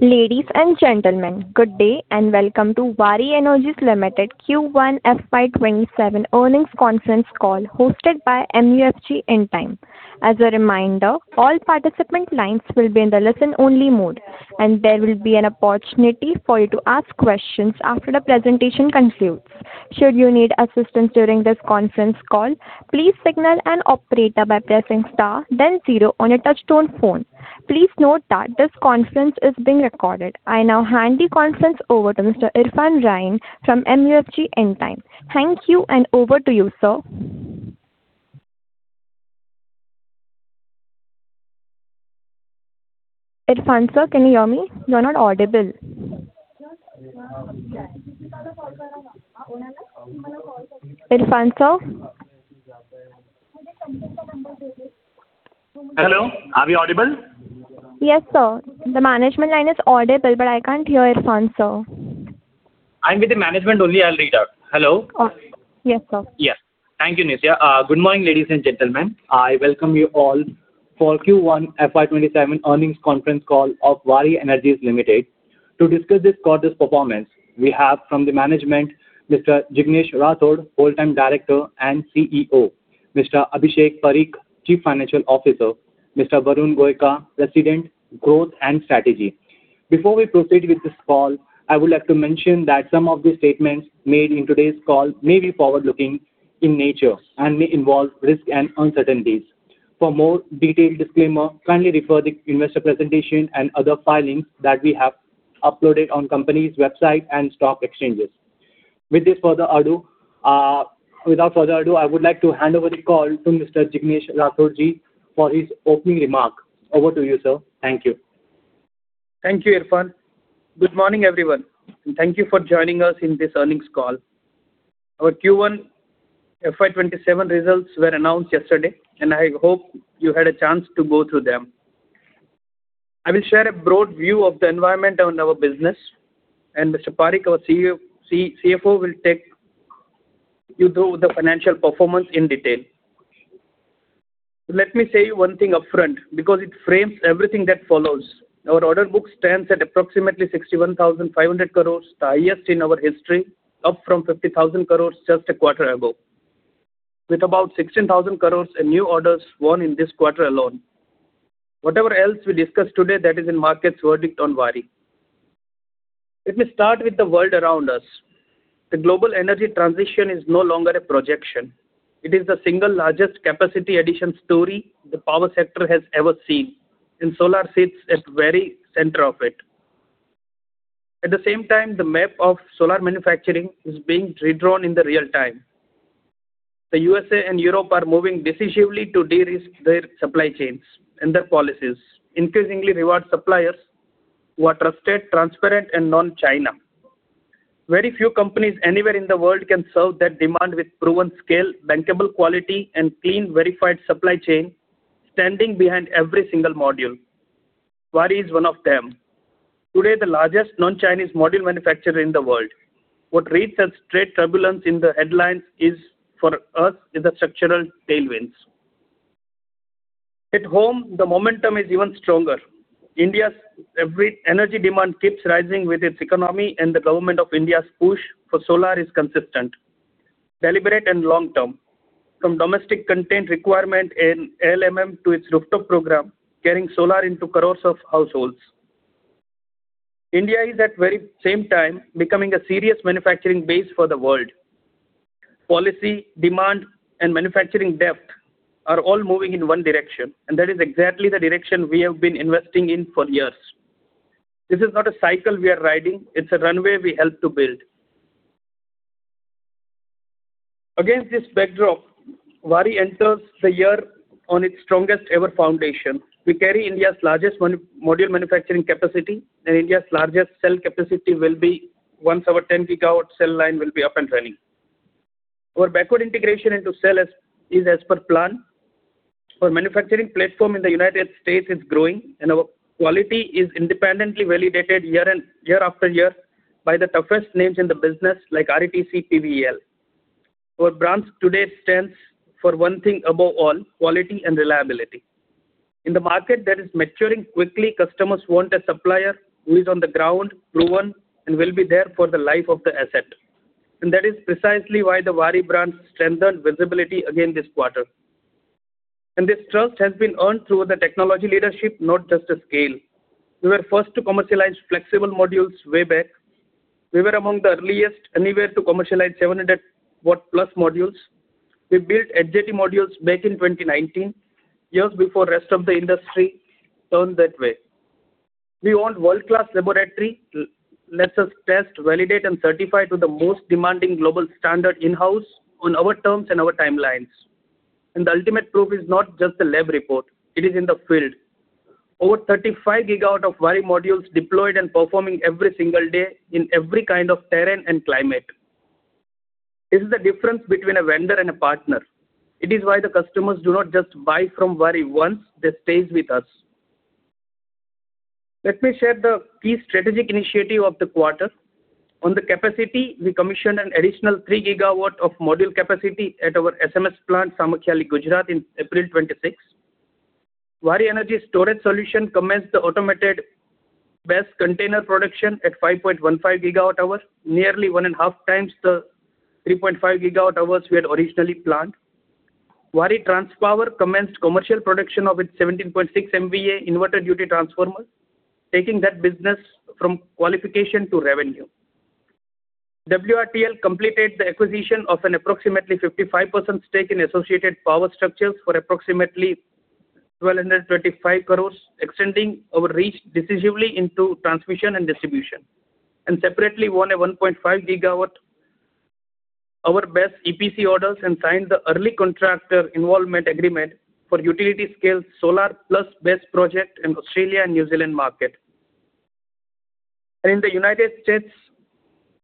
Ladies and gentlemen, good day and welcome to Waaree Energies Limited Q1 FY 2027 earnings conference call hosted by MUFG Intime. As a reminder, all participant lines will be in the listen only mode, and there will be an opportunity for you to ask questions after the presentation concludes. Should you need assistance during this conference call, please signal an operator by pressing star then zero on your touchtone phone. Please note that this conference is being recorded. I now hand the conference over to Mr. Irfan Rahim from MUFG Intime. Thank you. Over to you, sir. Irfan, sir, can you hear me? You're not audible. Irfan, sir? Hello, are we audible? Yes, sir. The management line is audible. I can't hear Irfan, sir. I'm with the management only. I'll read out. Hello? Yes, sir. Yes. Thank you, Nicia. Good morning, ladies and gentlemen. I welcome you all for Q1 FY 2027 earnings conference call of Waaree Energies Limited. To discuss this quarter's performance, we have from the management, Mr. Jignesh Rathod, Whole-time Director and CEO. Mr. Abhishek Pareek, Chief Financial Officer. Mr. Varun Goenka, President, Growth and Strategy. Before we proceed with this call, I would like to mention that some of the statements made in today's call may be forward-looking in nature and may involve risks and uncertainties. For more detailed disclaimer, kindly refer the investor presentation and other filings that we have uploaded on company's website and stock exchanges. Without further ado, I would like to hand over the call to Mr. Jignesh Rathod-ji for his opening remark. Over to you, sir. Thank you. Thank you, Irfan. Good morning, everyone, and thank you for joining us in this earnings call. Our Q1 FY 2027 results were announced yesterday, and I hope you had a chance to go through them. I will share a broad view of the environment on our business, and Mr. Pareek, our CFO, will take you through the financial performance in detail. Let me say one thing upfront because it frames everything that follows. Our order book stands at approximately 61,500 crore, the highest in our history, up from 50,000 crore just a quarter ago. With about 16,000 crore in new orders won in this quarter alone. Whatever else we discuss today, that is the market's verdict on Waaree. Let me start with the world around us. The global energy transition is no longer a projection. It is the single largest capacity addition story the power sector has ever seen, and solar sits at the very center of it. At the same time, the map of solar manufacturing is being redrawn in real-time. The U.S.A. and Europe are moving decisively to de-risk their supply chains, and their policies increasingly reward suppliers who are trusted, transparent and non-China. Very few companies anywhere in the world can serve that demand with proven scale, bankable quality and clean, verified supply chain standing behind every single module. Waaree is one of them. Today, the largest non-Chinese module manufacturer in the world. What reads as trade turbulence in the headlines is, for us, a structural tailwind. At home, the momentum is even stronger. India's energy demand keeps rising with its economy, and the Government of India's push for solar is consistent, deliberate, and long-term. From domestic content requirement in ALMM to its rooftop program, getting solar into crore of households. India is at the very same time becoming a serious manufacturing base for the world. Policy, demand, and manufacturing depth are all moving in one direction, and that is exactly the direction we have been investing in for years. This is not a cycle we are riding. It's a runway we helped to build. Against this backdrop, Waaree enters the year on its strongest-ever foundation. We carry India's largest module manufacturing capacity, and India's largest cell capacity will be once our 10 GWh cell line will be up and running. Our backward integration into cells is as per plan. Our manufacturing platform in the United States. is growing, and our quality is independently validated year after year by the toughest names in the business like RETC, PVEL. Our brand today stands for one thing above all, quality and reliability. In the market that is maturing quickly, customers want a supplier who is on the ground, proven, and will be there for the life of the asset. That is precisely why the Waaree brand strengthened visibility again this quarter. This trust has been earned through the technology leadership, not just the scale. We were first to commercialize flexible modules way back. We were among the earliest anywhere to commercialize 700-W+ modules. We built edge-weighted modules back in 2019, years before rest of the industry turned that way. We own a world-class laboratory that lets us test, validate, and certify to the most demanding global standard in-house on our terms and our timelines. The ultimate proof is not just the lab report. It is in the field. Over 35 GWh of Waaree modules deployed and performing every single day in every kind of terrain and climate. This is the difference between a vendor and a partner. It is why the customers do not just buy from Waaree once. They stay with us. Let me share the key strategic initiative of the quarter. On the capacity, we commissioned an additional 3 GWh of module capacity at our Samakhiali plant, Samakhiali, Gujarat in April 2026. Waaree Energy Storage Solutions commenced the automated BESS container production at 5.15 GWh, nearly one and a half times the 3.5 GWh we had originally planned. Waaree Transpower commenced commercial production of its 17.6 MVA inverter duty transformers, taking that business from qualification to revenue. WRTL completed the acquisition of an approximately 55% stake in Associated Power Structures for approximately 1,225 crore, extending our reach decisively into transmission and distribution. Separately won a 1.5 GWh of BESS EPC orders and signed the early contractor involvement agreement for utility-scale solar plus BESS project in Australia and New Zealand market. In the United States,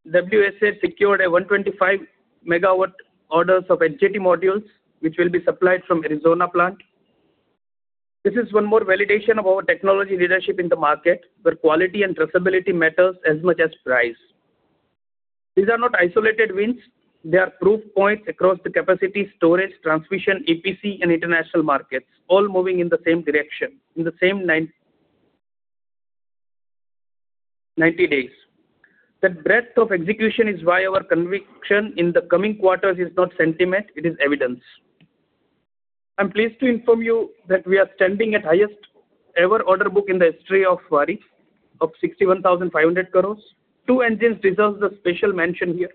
WSA secured 125 MW orders of HJT modules, which will be supplied from Arizona plant. This is one more validation of our technology leadership in the market, where quality and traceability matters as much as price. These are not isolated wins. They are proof points across the capacity, storage, transmission, EPC, and international markets, all moving in the same direction, in the same 90 days. That breadth of execution is why our conviction in the coming quarters is not sentiment, it is evidence. I am pleased to inform you that we are standing at highest ever order book in the history of Waaree, of 61,500 crore. Two engines deserve the special mention here.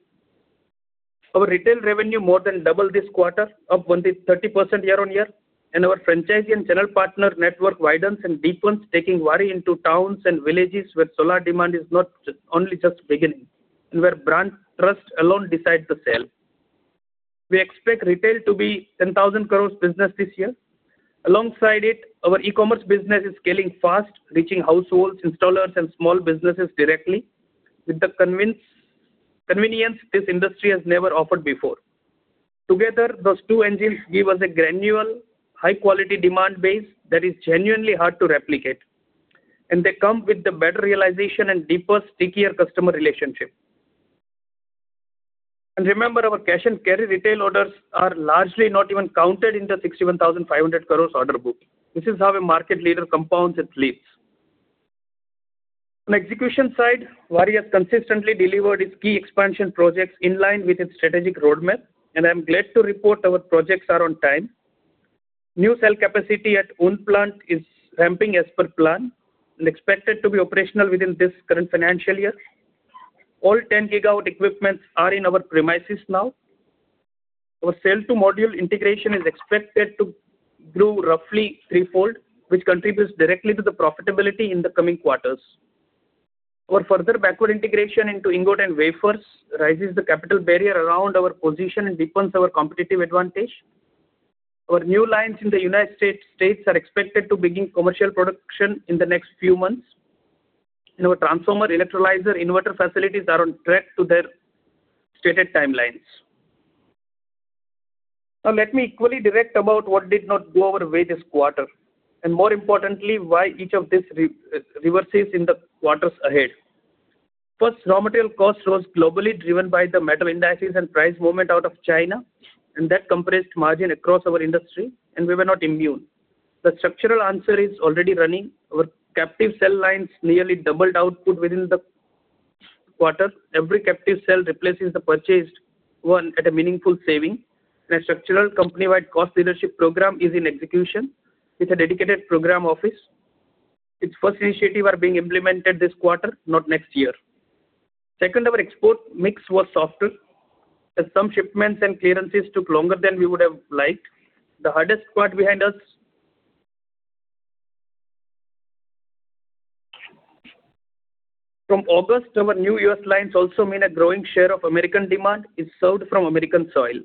Our retail revenue more than doubled this quarter, up 130% year-over-year, and our franchise and general partner network widens and deepens, taking Waaree into towns and villages where solar demand is not only just beginning and where brand trust alone decides the sale. We expect retail to be 10,000 crore business this year. Alongside it, our e-commerce business is scaling fast, reaching households, installers, and small businesses directly with the convenience this industry has never offered before. Together, those two engines give us a granular, high-quality demand base that is genuinely hard to replicate, and they come with the better realization and deeper, stickier customer relationship. Remember, our cash and carry retail orders are largely not even counted in the 61,500 crore order book. This is how a market leader compounds its leads. On execution side, Waaree has consistently delivered its key expansion projects in line with its strategic roadmap, and I'm glad to report our projects are on time. New cell capacity at Unn plant is ramping as per plan and expected to be operational within this current financial year. All 10 GWh equipments are in our premises now. Our cell-to-module integration is expected to grow roughly threefold, which contributes directly to the profitability in the coming quarters. Our further backward integration into ingot and wafers raises the capital barrier around our position and deepens our competitive advantage. Our new lines in the United States are expected to begin commercial production in the next few months, and our transformer, electrolyzer, inverter facilities are on track to their stated timelines. Let me equally direct about what did not go our way this quarter, and more importantly, why each of these reverses in the quarters ahead. First, raw material cost rose globally, driven by the metal indexes and price movement out of China, and that compressed margin across our industry, and we were not immune. The structural answer is already running. Our captive cell lines nearly doubled output within the quarter. Every captive cell replaces the purchased one at a meaningful saving. A structural company-wide cost leadership program is in execution with a dedicated program office. Its first initiative are being implemented this quarter, not next year. Second, our export mix was softer as some shipments and clearances took longer than we would have liked. The hardest part behind us. From August, our new U.S. lines also mean a growing share of American demand is sold from American soil.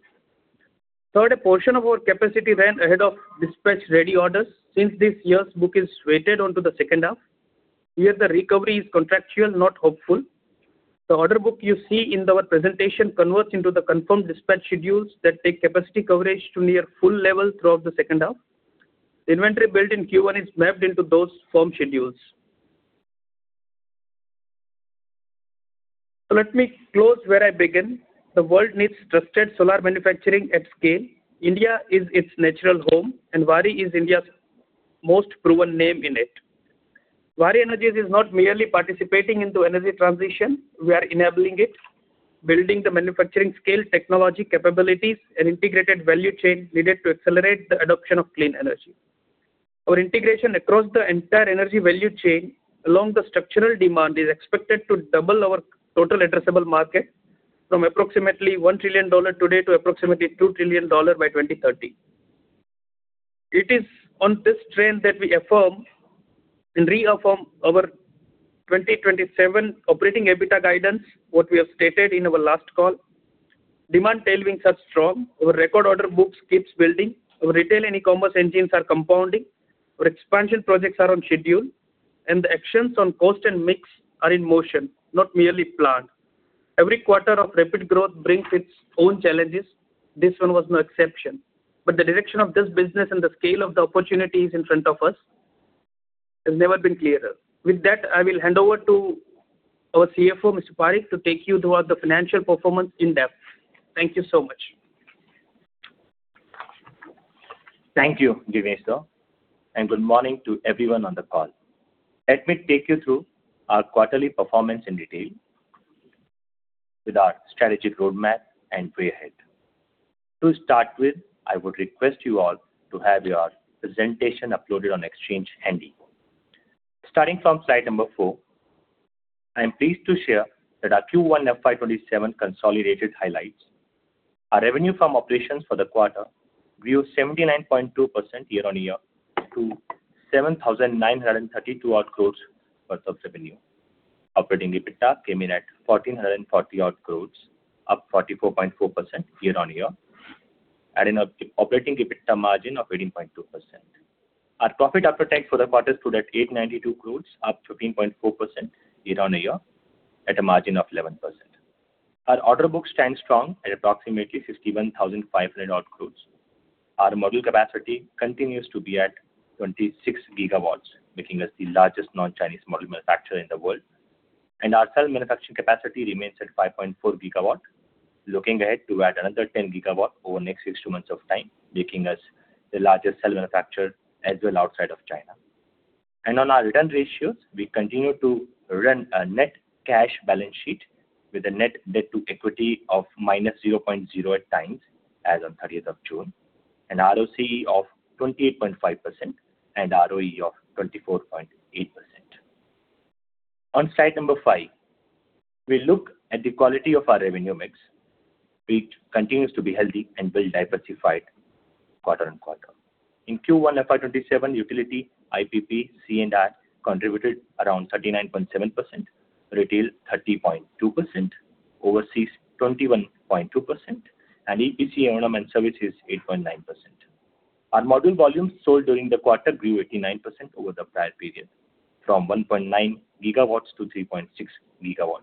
Third, a portion of our capacity ran ahead of dispatch-ready orders since this year's book is weighted onto the second half. Here, the recovery is contractual, not hopeful. The order book you see in our presentation converts into the confirmed dispatch schedules that take capacity coverage to near full level throughout the second half. The inventory built in Q1 is mapped into those firm schedules. Let me close where I begin. The world needs trusted solar manufacturing at scale. India is its natural home, and Waaree is India's most proven name in it. Waaree Energies is not merely participating into energy transition. We are enabling it, building the manufacturing scale, technology capabilities, and integrated value chain needed to accelerate the adoption of clean energy. Our integration across the entire energy value chain along the structural demand is expected to double our total addressable market from approximately $1 trillion today to approximately $2 trillion by 2030. It is on this trend that we affirm and reaffirm our 2027 operating EBITDA guidance, what we have stated in our last call. Demand tailwinds are strong. Our record order books keeps building. Our retail and e-commerce engines are compounding. Our expansion projects are on schedule. The actions on cost and mix are in motion, not merely planned. Every quarter of rapid growth brings its own challenges. This one was no exception. The direction of this business and the scale of the opportunities in front of us has never been clearer. With that, I will hand over to our CFO, Mr. Pareek, to take you towards the financial performance in depth. Thank you so much. Thank you, Jignesh, and good morning to everyone on the call. Let me take you through our quarterly performance in detail with our strategy roadmap and way ahead. To start with, I would request you all to have your presentation uploaded on Exchange handy. Starting from slide number four, I am pleased to share that our Q1 FY 2027 consolidated highlights. Our revenue from operations for the quarter grew 79.2% year-on-year to 7,932 crore worth of revenue. Operating EBITDA came in at 1,440 odd crore, up 44.4% year-on-year, adding up operating EBITDA margin of 18.2%. Our profit after tax for the quarter stood at 892 crore, up 13.4% year-on-year at a margin of 11%. Our order book stands strong at approximately 61,500 odd crore. Our module capacity continues to be at 26 GWh, making us the largest non-Chinese module manufacturer in the world. Our cell manufacturing capacity remains at 5.4 GWh, looking ahead to add another 10 GWh over next six months of time, making us the largest cell manufacturer as well outside of China. On our return ratios, we continue to run a net cash balance sheet with a net debt-to-equity of -0.0x as on June 30, an ROCE of 28.5% and ROE of 24.8%. On slide number five, we look at the quality of our revenue mix. It continues to be healthy and well-diversified quarter-on-quarter. In Q1 FY 2027 utility, IPP, C&I contributed around 39.7%, retail 30.2%, overseas 21.2%, EPC, O&M and services 8.9%. Our module volumes sold during the quarter grew 89% over the prior period from 1.9 GWh-3.6 GWh.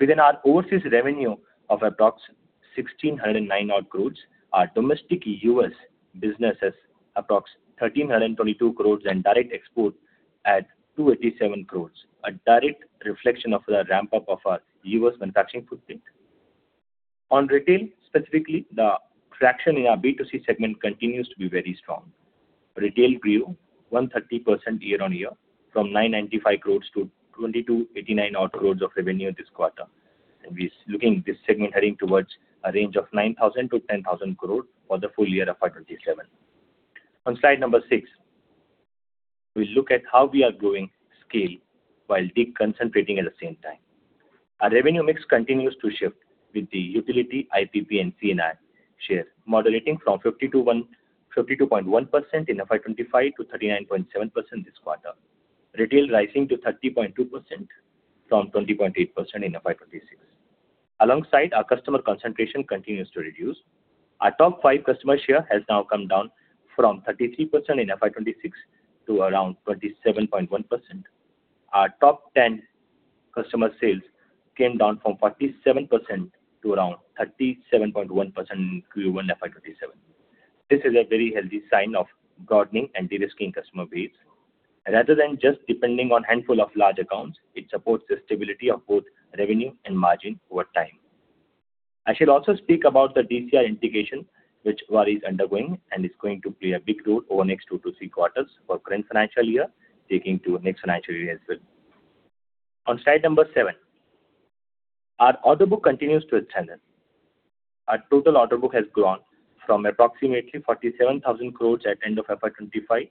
Within our overseas revenue of approx 1,609 odd crore, our domestic U.S. business has approx 1,322 crore and direct export at 287 crore, a direct reflection of the ramp-up of our U.S. manufacturing footprint. On retail specifically, the traction in our B2C segment continues to be very strong. Retail grew 130% year-on-year from 995 crore-2,289 odd crore of revenue this quarter. We're looking at this segment heading towards a range of 9,000 crore-10,000 crore for the full year FY 2027. On slide number six, we look at how we are growing scale while deconcentrating at the same time. Our revenue mix continues to shift with the utility IPP and C&I share modulating from 50%-52.1% in FY 2025 to 39.7% this quarter. Retail rising to 30.2% from 20.8% in FY 2026. Alongside, our customer concentration continues to reduce. Our top five customer share has now come down from 33% in FY 2026 to around 27.1%. Our top ten customer sales came down from 47% to around 37.1% in Q1 FY 2027. This is a very healthy sign of broadening and de-risking customer base. Rather than just depending on handful of large accounts, it supports the stability of both revenue and margin over time. I should also speak about the DCR integration which Waaree is undergoing and is going to play a big role over next two to three quarters for current financial year, taking to next financial year as well. On slide number seven, our order book continues to expand. Our total order book has grown from approximately 47,000 crore at end of FY 2025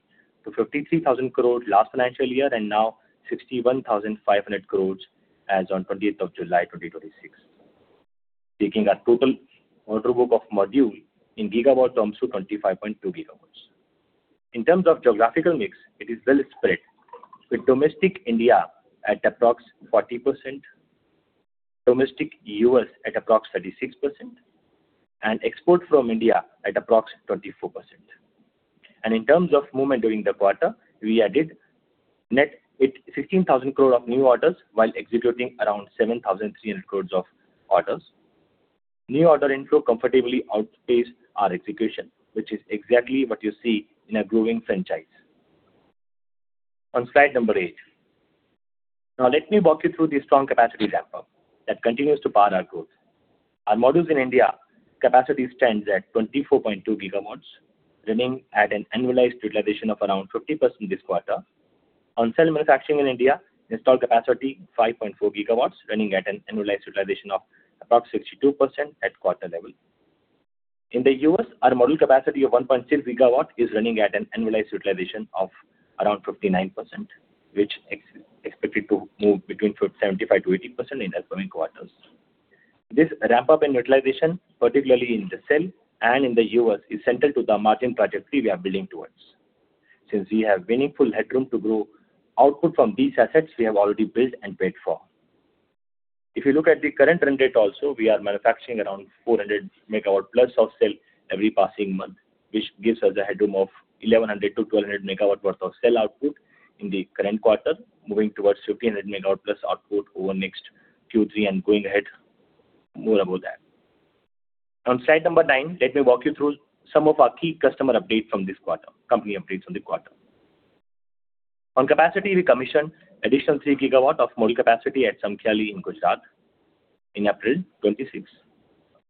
to 53,000 crore last financial year and now 61,500 crore as on 20th of July 2026. Taking our total order book of module in gigawatt terms to 25.2 GWh. In terms of geographical mix, it is well spread with domestic India at approx 40%, domestic U.S. at approx 36%, and export from India at approx 24%. In terms of movement during the quarter, we added net 16,000 crore of new orders while executing around 7,300 crore of orders. New order inflow comfortably outpaced our execution, which is exactly what you see in a growing franchise. On slide number eight. Now let me walk you through the strong capacity ramp-up that continues to power our growth. Our modules in India capacity stands at 24.2 GWh running at an annualized utilization of around 50% this quarter. On cell manufacturing in India, installed capacity 5.4 GWh running at an annualized utilization of approx 62% at quarter level. In the U.S., our module capacity of 1.6 GWh is running at an annualized utilization of around 59%, which expected to move between 75%-80% in upcoming quarters. This ramp-up in utilization, particularly in the cell and in the U.S., is central to the margin trajectory we are building towards. Since we have meaningful headroom to grow output from these assets we have already built and paid for. If you look at the current run rate also, we are manufacturing around 400 MW+ of cell every passing month, which gives us a headroom of 1,100 MW-1,200 MW worth of cell output in the current quarter, moving towards 1,500 MW+ output over next Q3 and going ahead more above that. On slide number nine, let me walk you through some of our key customer updates from this quarter, company updates from the quarter. On capacity, we commissioned additional 3 GWh of module capacity at Samakhiali in Gujarat in April 2026.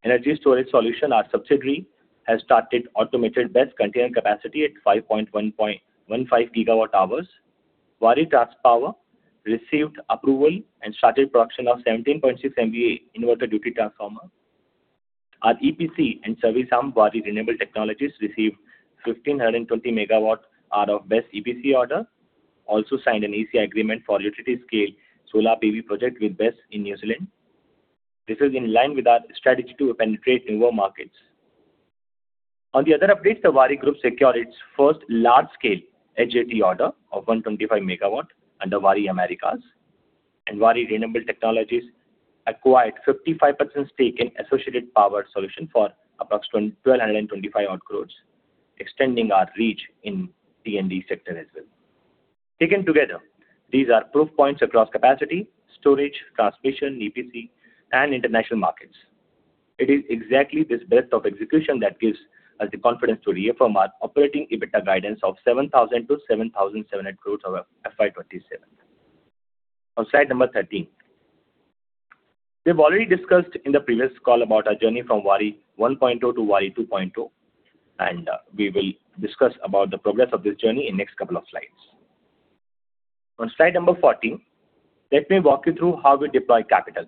Energy Storage Solutions, our subsidiary, has started automated BESS container capacity at 5.15 GWh. Waaree Transpower received approval and started production of 17.6 MVA inverter duty transformer. Our EPC and service arm, Waaree Renewable Technologies, received 1,520 MWh of BESS EPC order. Also signed an ECA agreement for utility scale solar PV project with BESS in New Zealand. This is in line with our strategy to penetrate newer markets. On the other updates, the Waaree Group secured its first large scale HJT order of 125 MW under Waaree Americas. Waaree Renewable Technologies acquired 55% stake in Associated Power Structures for approximate 1,225 crore, extending our reach in T&D sector as well. Taken together, these are proof points across capacity, storage, transmission, EPC, and international markets. It is exactly this breadth of execution that gives us the confidence to reaffirm our operating EBITDA guidance of 7,000 crore-7,700 crore over FY 2027. On slide 13. We've already discussed in the previous call about our journey from Waaree 1.0-Waaree 2.0. We will discuss about the progress of this journey in next couple of slides. On slide 14, let me walk you through how we deploy capital,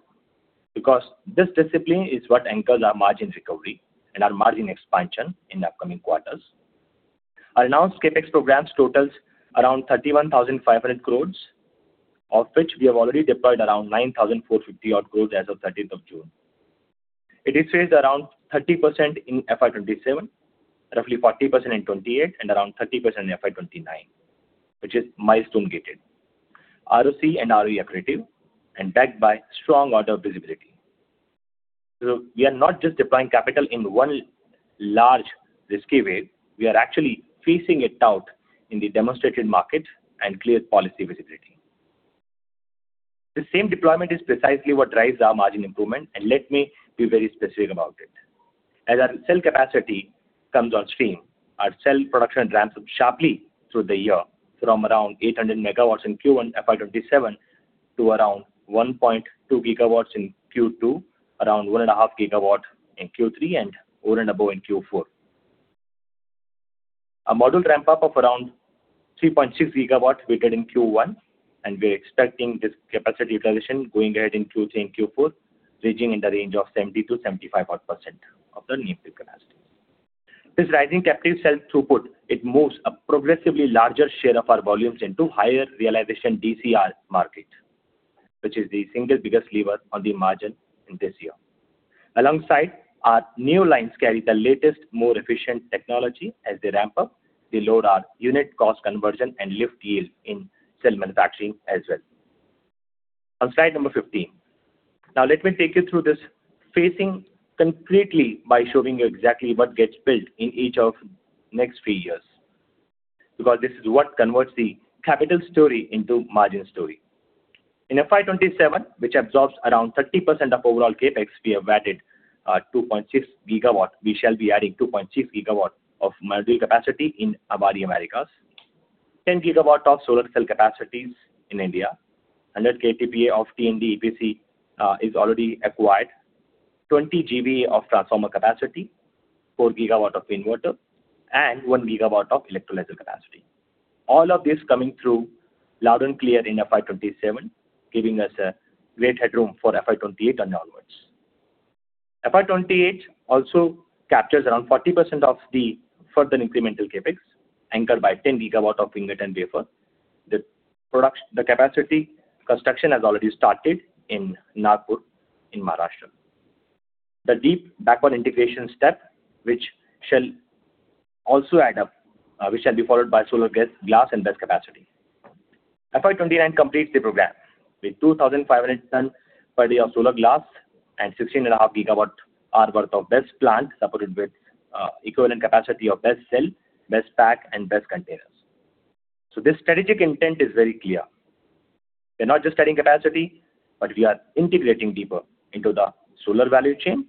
because this discipline is what anchors our margin recovery and our margin expansion in upcoming quarters. Our announced CapEx programs totals around 31,500 crore, of which we have already deployed around 9,450 crore as of 30th of June. It is phased around 30% in FY 2027, roughly 40% in FY 2028, and around 30% in FY 2029, which is milestone gated. ROC and ROE accretive and backed by strong order visibility. We are not just deploying capital in one large risky way, we are actually phasing it out in the demonstrated market and clear policy visibility. The same deployment is precisely what drives our margin improvement. Let me be very specific about it. As our cell capacity comes on stream, our cell production ramps up sharply through the year, from around 800 MW in Q1 FY 2027 to around 1.2 GWh in Q2, around 1.5 GWh in Q3, and over and above in Q4. Our module ramp-up of around 3.6 GWh we get in Q1, and we're expecting this capacity utilization going ahead into Q3 and Q4, ranging in the range of 70%-75% odd percent of the nameplate capacity. This rising captive cell throughput, it moves a progressively larger share of our volumes into higher realization DCR market, which is the single biggest lever on the margin in this year. Alongside, our new lines carry the latest, more efficient technology as they ramp up. They load our unit cost conversion and lift yield in cell manufacturing as well. On slide 15. Let me take you through this phasing completely by showing you exactly what gets built in each of next three years, because this is what converts the capital story into margin story. In FY 2027, which absorbs around 30% of overall CapEx, we have added 2.6 GWh. We shall be adding 2.6 GWh of module capacity in Waaree Americas, 10 GWh of solar cell capacities in India. That KTPA of T&D EPC is already acquired. 20 GVA of transformer capacity, 4 GWh of inverter, and 1 GWh of electrolysis capacity. All of this coming through loud and clear in FY 2027, giving us a great headroom for FY 2028 and onwards. FY 2028 also captures around 40% of the further incremental CapEx, anchored by 10 GWh of ingot and wafer. The capacity construction has already started in Nagpur in Maharashtra. The deep backward integration step, which shall also add up, which shall be followed by solar glass and BESS capacity. FY 2029 completes the program with 2,500 TPD of solar glass and 16.5 GWh worth of BESS plant supported with equivalent capacity of BESS cell, BESS pack, and BESS containers. This strategic intent is very clear. We're not just adding capacity, but we are integrating deeper into the solar value chain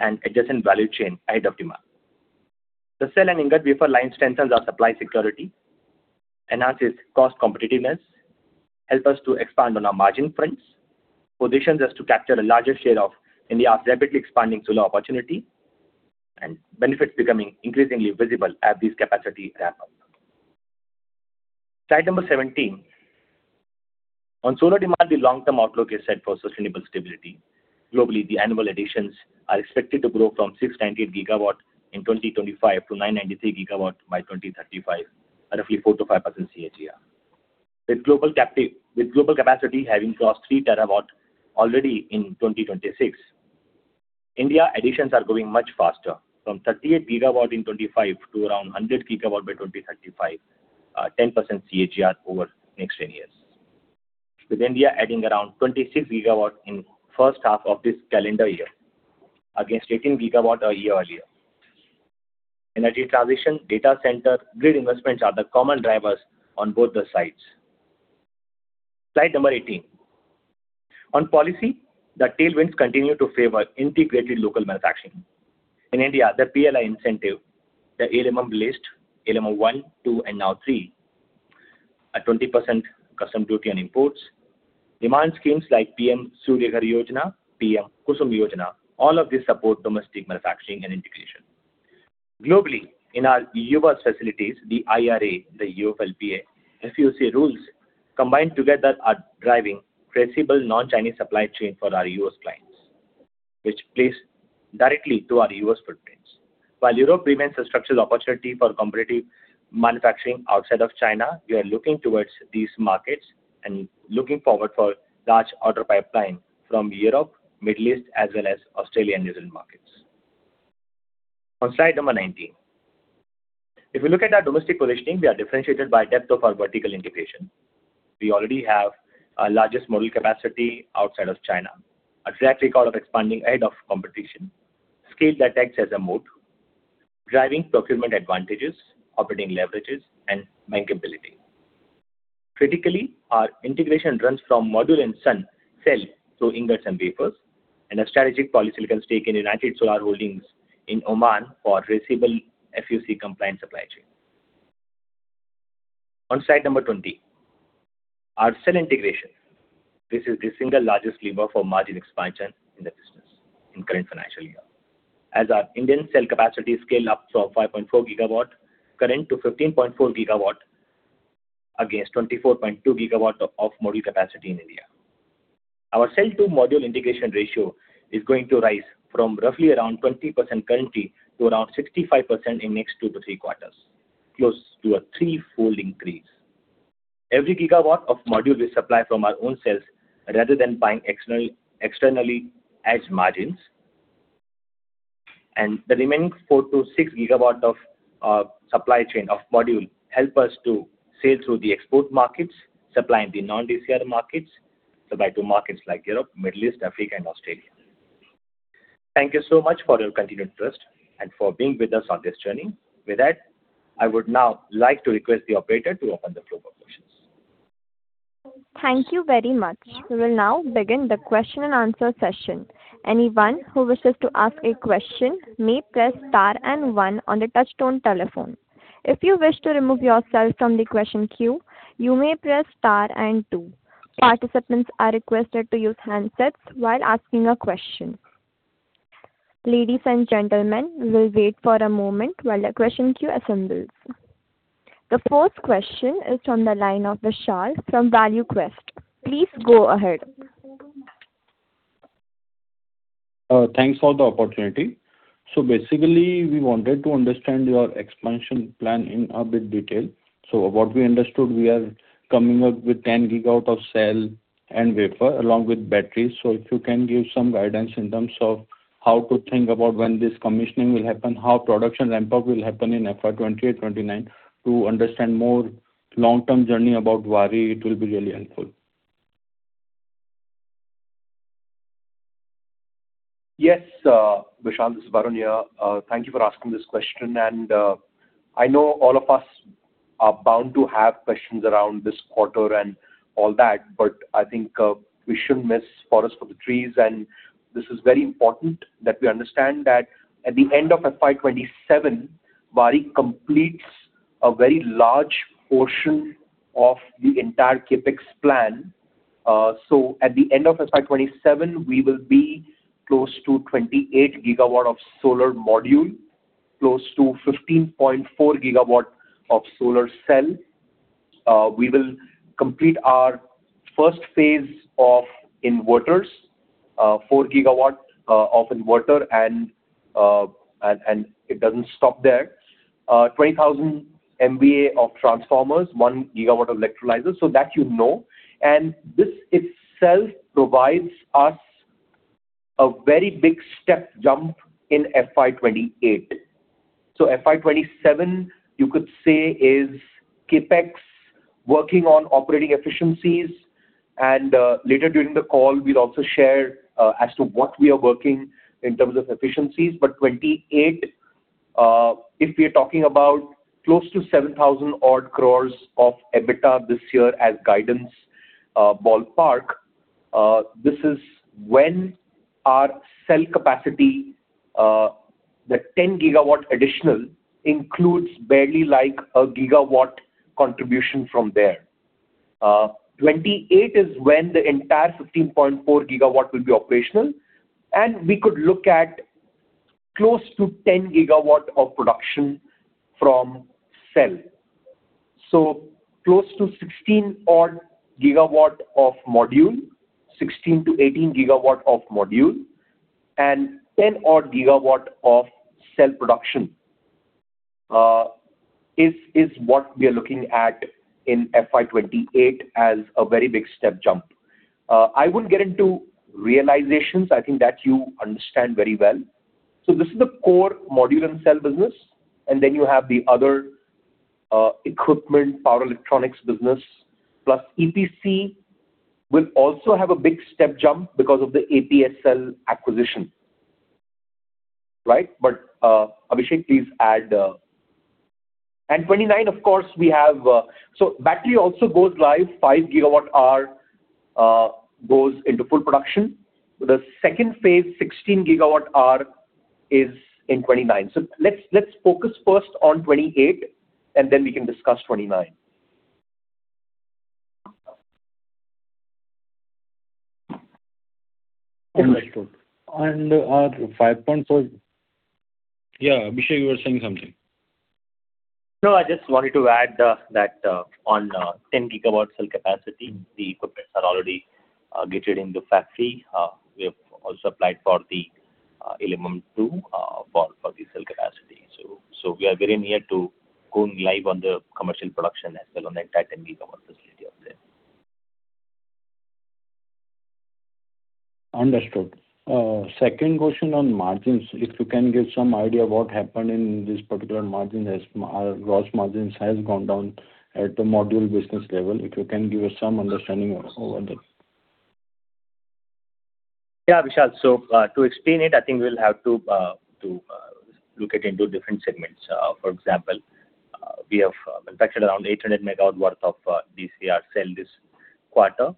and adjacent value chain ahead of demand. The cell and ingot wafer line strengthens our supply security, enhances cost competitiveness, help us to expand on our margin fronts, positions us to capture a larger share of India's rapidly expanding solar opportunity, and benefits becoming increasingly visible as these capacity ramp up. Slide 17. On solar demand, the long-term outlook is set for sustainable stability. Globally, the annual additions are expected to grow from 698 GWh in 2025 to 993 GWh by 2035, roughly 4%-5% CAGR. With global capacity having crossed 3 TW already in 2026, India additions are growing much faster, from 38 GWh in 2025 to around 100 GWh by 2035, 10% CAGR over next 10 years. With India adding around 26 GWh in first half of this calendar year against 18 GWh a year earlier. Energy transition, data center, grid investments are the common drivers on both the sides. Slide 18. On policy, the tailwinds continue to favor integrated local manufacturing. In India, the PLI incentive, the ALMM list, ALMM 1, 2, and now 3. A 20% custom duty on imports. Demand schemes like PM-Surya Ghar Yojana, PM-KUSUM Yojana, all of this support domestic manufacturing and integration. Globally, in our U.S. facilities, the IRA, the UFLPA, FEOC rules combined together are driving traceable non-Chinese supply chain for our U.S. clients, which plays directly to our U.S. footprints. While Europe remains a structural opportunity for competitive manufacturing outside of China, we are looking towards these markets and looking forward for large order pipeline from Europe, Middle East, as well as Australian regional markets. Slide 19. If we look at our domestic positioning, we are differentiated by depth of our vertical integration. We already have our largest module capacity outside of China. A track record of expanding ahead of competition. Scale that acts as a moat, driving procurement advantages, operating leverages, and bankability. Critically, our integration runs from module and cell through ingots and wafers, and a strategic polysilicon stake in United Solar Holdings in Oman for traceable FEOC compliant supply chain. Slide 20. Our cell integration. This is the single largest lever for margin expansion in the business in current financial year. As our Indian cell capacity scale up from 5.4 GWh current to 15.4 GWh against 24.2 GWh of module capacity in India. Our cell to module integration ratio is going to rise from roughly around 20% currently to around 65% in next two to three quarters, close to a threefold increase. Every GWh of module we supply from our own cells rather than buying externally adds margins. The remaining 4GWh-6 GWh of supply chain of module help us to sell through the export markets, supplying the non-DCR markets, supply to markets like Europe, Middle East, Africa, and Australia. Thank you so much for your continued trust and for being with us on this journey. With that, I would now like to request the operator to open the floor for questions. Thank you very much. We will now begin the question and answer session. Anyone who wishes to ask a question may press star and one on the touchtone telephone. If you wish to remove yourself from the question queue, you may press star and two. Participants are requested to use handsets while asking a question. Ladies and gentlemen, we will wait for a moment while the question queue assembles. The first question is from the line of Vishal from ValueQuest. Please go ahead. Thanks for the opportunity. Basically, we wanted to understand your expansion plan in a bit detail. What we understood, we are coming up with 10 GWh of cell and wafer along with batteries. If you can give some guidance in terms of how to think about when this commissioning will happen, how production ramp-up will happen in FY 2028, FY 2029, to understand more long-term journey about Waaree, it will be really helpful. Yes, Vishal. This is Varun here. Thank you for asking this question. I know all of us are bound to have questions around this quarter and all that, I think we shouldn't miss forest for the trees. This is very important that we understand that at the end of FY 2027, Waaree completes a very large portion of the entire CapEx plan. At the end of FY 2027, we will be close to 28 GWh of solar module, close to 15.4 GWh of solar cell. We will complete our first phase of inverters, 4 GWh of inverter, and it doesn't stop there. 20,000 MVA of transformers, 1 GWh of electrolyzer. That you know. This itself provides us a very big step jump in FY 2028. FY 2027, you could say, is CapEx working on operating efficiencies, and later during the call, we'll also share as to what we are working in terms of efficiencies. FY 2028, if we're talking about close to 7,000 odd crore of EBITDA this year as guidance ballpark, this is when our cell capacity, the 10 GWh additional, includes barely a gigawatt contribution from there. FY 2028 is when the entire 15.4 GWh will be operational, and we could look at close to 10 GWh of production from cell. Close to 16 odd GWh of module, 16 GWh-18 GWh of module, and 10 odd GWh of cell production, is what we are looking at in FY 2028 as a very big step jump. I wouldn't get into realizations. I think that you understand very well. This is the core module and cell business, and then you have the other equipment, power electronics business. Plus EPC will also have a big step jump because of the APSL acquisition. Right. Abhishek, please add. FY 2029, of course, we have battery also goes live, 5 GWh goes into full production. The second phase, 16 GWh, is in FY 2029. Let's focus first on FY 2028 and then we can discuss FY 2029. Understood. Our 5.4 Yeah, Abhishek, you were saying something. No, I just wanted to add that on 10 GWh cell capacity, the equipment are already gated in the factory. We have also applied for the ALMM 2 for the cell capacity. We are very near to going live on the commercial production as well on the entire 10 GWh facility out there. Understood. Second question on margins, if you can give some idea what happened in this particular margin. Our gross margins have gone down at the module business level. If you can give us some understanding over there. Yeah, Vishal. To explain it, I think we'll have to look it into different segments. For example, we have manufactured around 800 MW worth of DCR cell this quarter.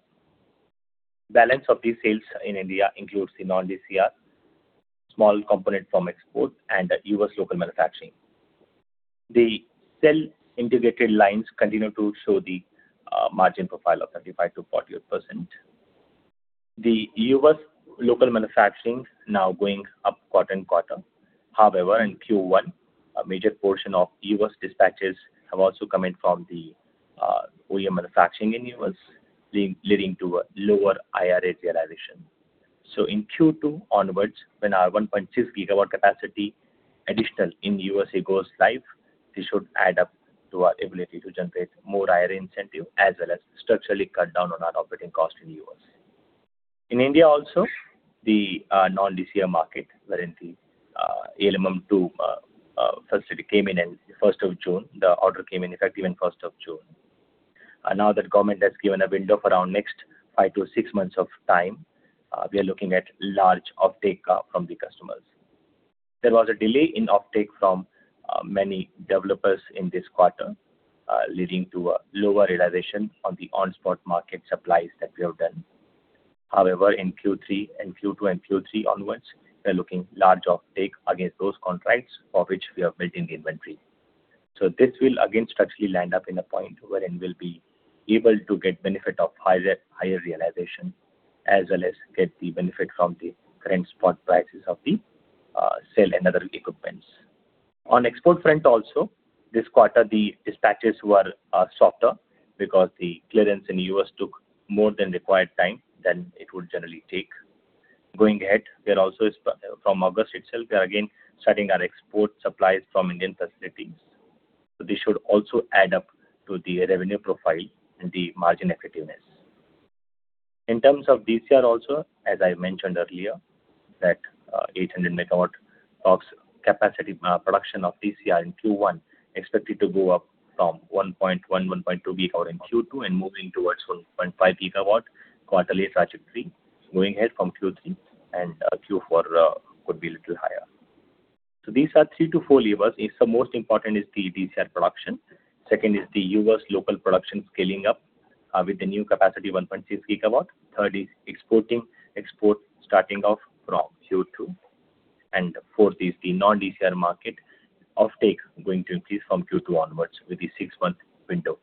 Balance of these sales in India includes the non-DCR, small component from export, and U.S. local manufacturing. The cell integrated lines continue to show the margin profile of 35%-40%. The U.S. local manufacturing now going up quarter-on-quarter. However, in Q1, a major portion of U.S. dispatches have also come in from the OEM manufacturing in U.S., leading to a lower IRA realization. In Q2 onwards, when our 1.6 GWh capacity additional in U.S. goes live, this should add up to our ability to generate more IRA incentive as well as structurally cut down on our operating cost in the U.S. In India also, the non-DCR market, wherein the ALMM 2 facility came in in 1st of June, the order came in effective in 1st of June. Now that government has given a window for around next five to six months of time, we are looking at large offtake from the customers. There was a delay in offtake from many developers in this quarter, leading to a lower realization on the on-spot market supplies that we have done. However, in Q2 and Q3 onwards, we're looking large offtake against those contracts for which we have built the inventory. This will again structurally land up in a point wherein we'll be able to get benefit of higher realization as well as get the benefit from the current spot prices of the cell and other equipment. On export front also, this quarter, the dispatches were softer because the clearance in the U.S. took more than required time than it would generally take. From August itself, we are again starting our export supplies from Indian facilities. This should also add up to the revenue profile and the margin effectiveness. In terms of DCR also, as I mentioned earlier, that 800 MW of capacity production of DCR in Q1 expected to go up from 1.1 GWh, 1.2 GWh in Q2 and moving towards 1.5 GWh quarterly trajectory from Q3 and Q4 could be little higher. These are three to four levers. The most important is the DCR production. Second is the U.S. local production scaling up with the new capacity, 1.6 GWh. Third is exporting. Export starting off from Q2. Fourth is the non-DCR market offtake going to increase from Q2 onwards with the six-month window.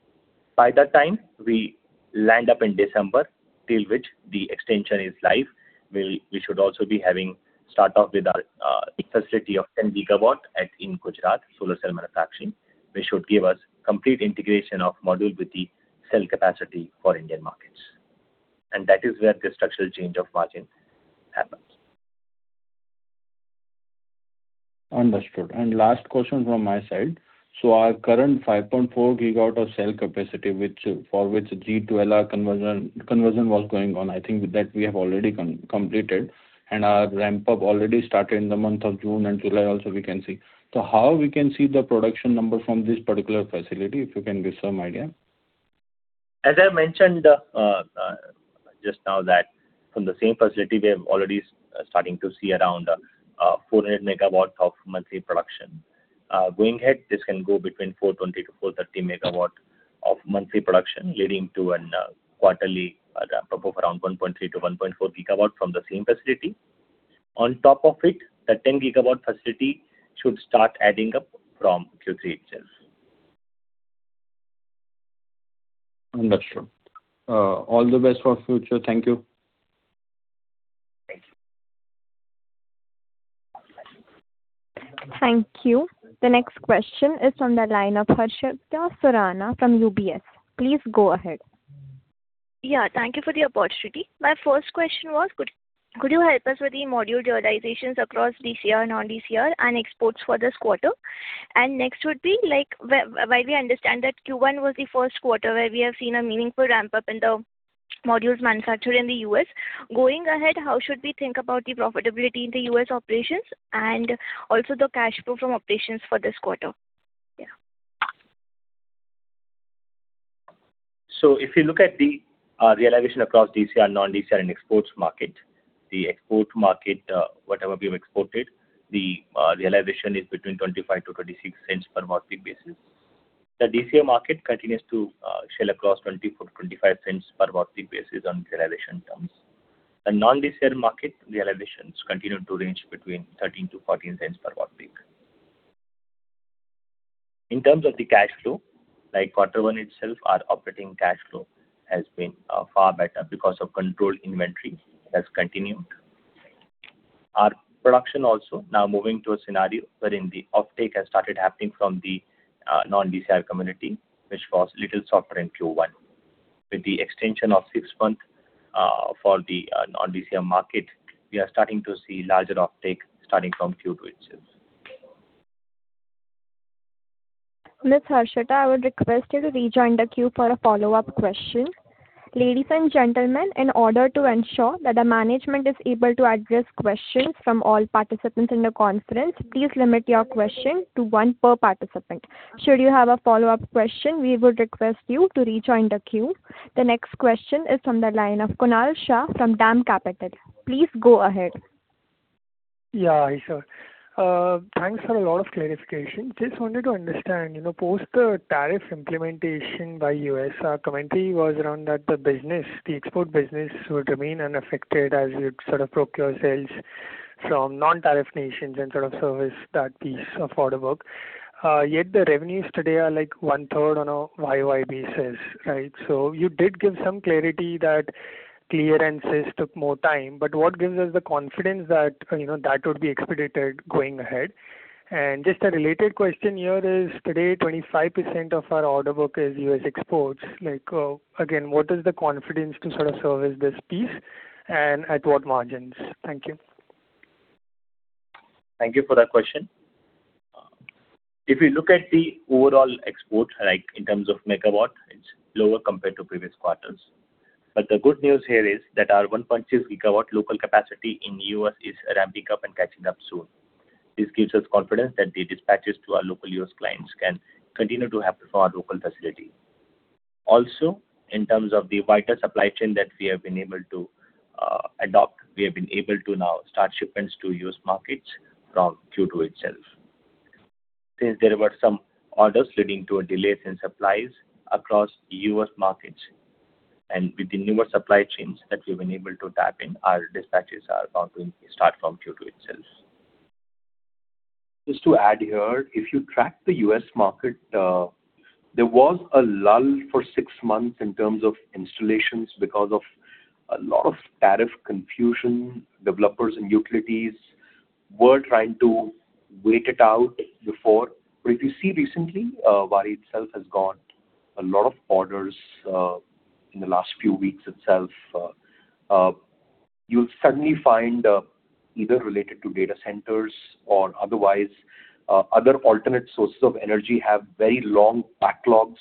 By that time we land up in December, till which the extension is live. We should also be having start off with our facility of 10 GWh in Gujarat, solar cell manufacturing, which should give us complete integration of module with the cell capacity for Indian markets. That is where the structural change of margin happens. Understood. Last question from my side. Our current 5.4 GWh of cell capacity for which G2L conversion was going on, I think that we have already completed, and our ramp-up already started in the month of June, July also, we can see. How we can see the production number from this particular facility, if you can give some idea? As I mentioned just now that from the same facility, we are already starting to see around 400 MW of monthly production. This can go between 420 MW-430 MW of monthly production, leading to a quarterly ramp-up of around 1.3 GWh-1.4 GWh from the same facility. On top of it, the 10 GWh facility should start adding up from Q3 itself. Understood. All the best for future. Thank you. Thank you. Thank you. The next question is from the line of Harshita Surana from UBS. Please go ahead. Yeah. Thank you for the opportunity. My first question was, could you help us with the module realizations across DCR and non-DCR and exports for this quarter? Next would be like, while we understand that Q1 was the first quarter where we have seen a meaningful ramp-up in the modules manufactured in the U.S., going ahead, how should we think about the profitability in the U.S. operations and also the cash flow from operations for this quarter? If you look at the realization across DCR, non-DCR and exports market, the export market, whatever we have exported, the realization is between $0.25-$0.26 per watt peak basis. The DCR market continues to sell across $0.24-$0.25 per Wp basis on realization terms. The non-DCR market realizations continue to range between $0.13-$0.14 per Wp. In terms of the cash flow, like quarter one itself, our operating cash flow has been far better because of controlled inventory has continued. Our production also now moving to a scenario wherein the uptake has started happening from the non-DCR community, which was little softer in Q1. With the extension of six months for the non-DCR market, we are starting to see larger uptake starting from Q2 itself. Miss Harshita, I would request you to rejoin the queue for a follow-up question. Ladies and gentlemen, in order to ensure that the management is able to address questions from all participants in the conference, please limit your question to one per participant. Should you have a follow-up question, we would request you to rejoin the queue. The next question is from the line of Kunal Shah from DAM Capital. Please go ahead. Hi, sir. Thanks for a lot of clarification. Just wanted to understand, post the tariff implementation by U.S., our commentary was around that the export business would remain unaffected as you'd sort of procure sales from non-tariff nations and sort of service that piece of order book, yet the revenues today are like one-third on a YOY basis, right? You did give some clarity that clearances took more time, but what gives us the confidence that would be expedited going ahead? And just a related question here is, today 25% of our order book is U.S. exports. Again, what is the confidence to sort of service this piece, and at what margins? Thank you. Thank you for that question. If you look at the overall export, like in terms of megawatt, it's lower compared to previous quarters. The good news here is that our 1.2 GWh local capacity in U.S. is ramping up and catching up soon. This gives us confidence that the dispatches to our local U.S. clients can continue to happen from our local facility. Also, in terms of the vital supply chain that we have been able to adopt, we have been able to now start shipments to U.S. markets from Q2 itself. Since there were some orders leading to a delay in supplies across U.S. markets, and with the newer supply chains that we've been able to tap in, our dispatches are now going to start from Q2 itself. Just to add here, if you track the U.S. market, there was a lull for six months in terms of installations because of a lot of tariff confusion. Developers and utilities were trying to wait it out before. If you see recently, Waaree itself has got a lot of orders in the last few weeks itself. You'll suddenly find, either related to data centers or otherwise, other alternate sources of energy have very long backlogs,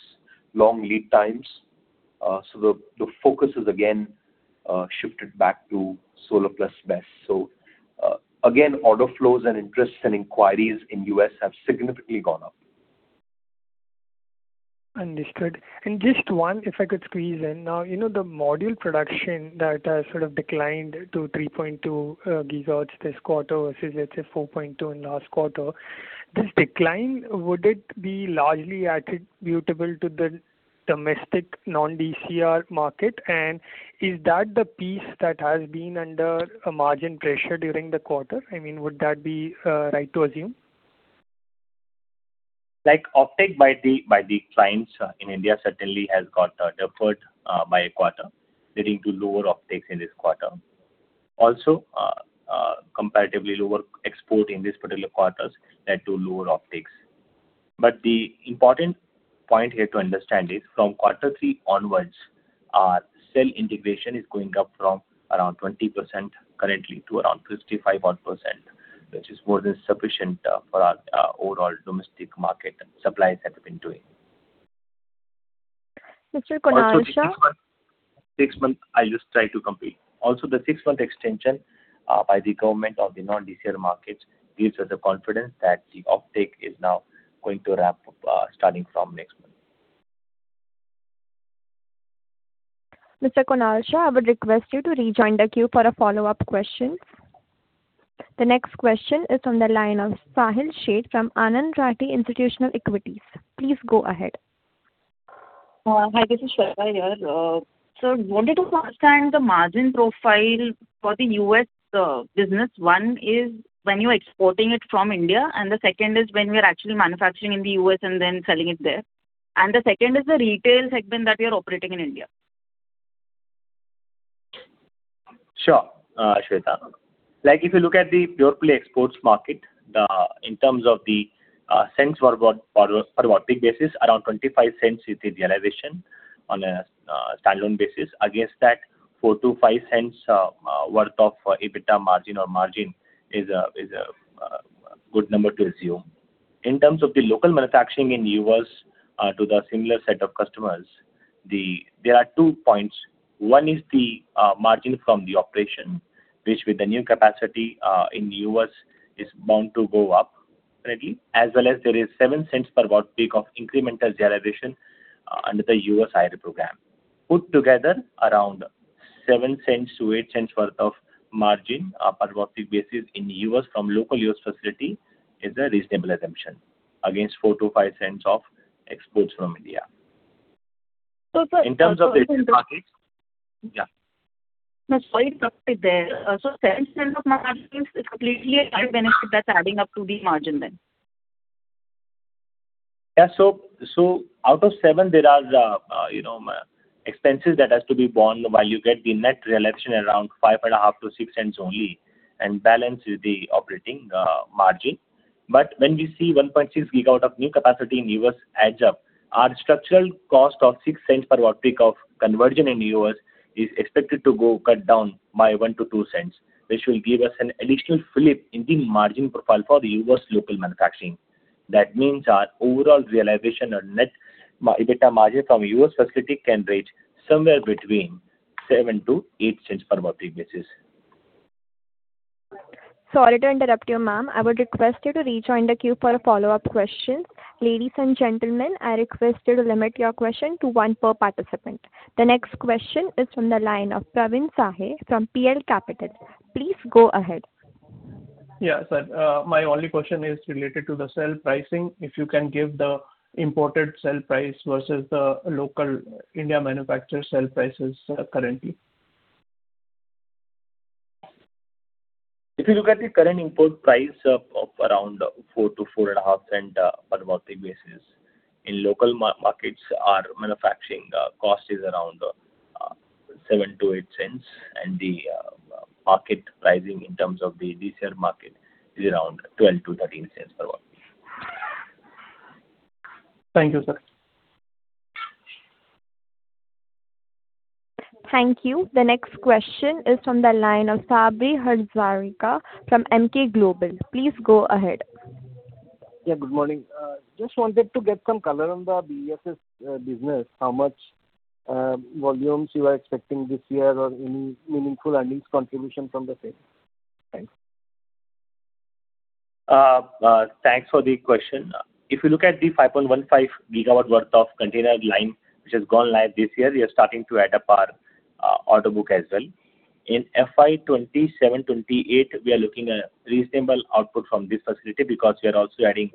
long lead times. The focus has again shifted back to solar plus BESS. Again, order flows and interests and inquiries in U.S. have significantly gone up. Understood. Just one, if I could squeeze in. The module production that has sort of declined to 3.2 GWh this quarter versus, let's say, 4.2 GWh in last quarter. This decline, would it be largely attributable to the domestic non-DCR market? Is that the piece that has been under a margin pressure during the quarter? Would that be right to assume? Like uptake by the clients in India certainly has got deferred by a quarter, leading to lower uptakes in this quarter. Also, comparatively lower export in this particular quarter has led to lower uptakes. The important point here to understand is from quarter three onwards, our cell integration is going up from around 20% currently to around 25%-odd, which is more than sufficient for our overall domestic market supplies that we've been doing. Mr. Kunal Shah. I'll just try to complete. The six-month extension by the government of the non-DCR markets gives us the confidence that the uptake is now going to ramp up starting from next month. Mr. Kunal Shah, I would request you to rejoin the queue for a follow-up question. The next question is from the line of Sahil Sheth from Anand Rathi Institutional Equities. Please go ahead. Hi, this is Sweta here. Sir, wanted to understand the margin profile for the U.S. business. One is when you're exporting it from India, and the second is when we're actually manufacturing in the U.S. and then selling it there. The second is the retail segment that we are operating in India. Sure, Sweta. If you look at the pure play exports market, in terms of the cents per watt peak basis, around $0.25 is the realization on a standalone basis. Against that, $0.04-$0.05 worth of EBITDA margin or margin is a good number to assume. In terms of the local manufacturing in the U.S. to the similar set of customers, there are two points. One is the margin from the operation, which with the new capacity in the U.S., is bound to go up Ready, as well as there is $0.07 per Wp of incremental generation under the U.S. IRA program. Around $0.07-$0.08 worth of margin, a per Wp basis in the U.S. from local U.S. facility is a reasonable assumption against $0.04-$0.05 of exports from India. So- In terms of this market. Yeah. Sorry to cut you there. $0.07 of margin is completely a kind of benefit that's adding up to the margin then? Yeah. Out of $0.07, there are expenses that has to be borne while you get the net realization around $0.055-$0.06 only. Balance is the operating margin. When we see 1.6 GWh of new capacity in U.S. adds up, our structural cost of $0.06 per Wp of conversion in U.S. is expected to go cut down by $0.01-$0.02, which will give us an additional flip in the margin profile for the U.S. local manufacturing. That means our overall realization or net EBITDA margin from U.S. facility can reach somewhere between $0.07-$0.08 per Wp basis. Sorry to interrupt you, ma'am. I would request you to rejoin the queue for follow-up questions. Ladies and gentlemen, I request you to limit your question to one per participant. The next question is from the line of Praveen Sahay from PL Capital. Please go ahead. Sir, my only question is related to the cell pricing. If you can give the imported cell price versus the local India manufacturer cell prices currently. If you look at the current import price of around $0.04-$0.045 per Wp basis. In local markets, our manufacturing cost is around $0.07-$0.08, and the market pricing in terms of the DCR market is around $0.12-$0.13 per W. Thank you, sir. Thank you. The next question is from the line of Sabri Hazarika from Emkay Global. Please go ahead. Yeah, good morning. Just wanted to get some color on the BESS business, how much volumes you are expecting this year or any meaningful earnings contribution from the same. Thanks. Thanks for the question. If you look at the 5.15 GWh worth of container line, which has gone live this year, we are starting to add up our order book as well. In FY 2027, 2028, we are looking at reasonable output from this facility because we are also adding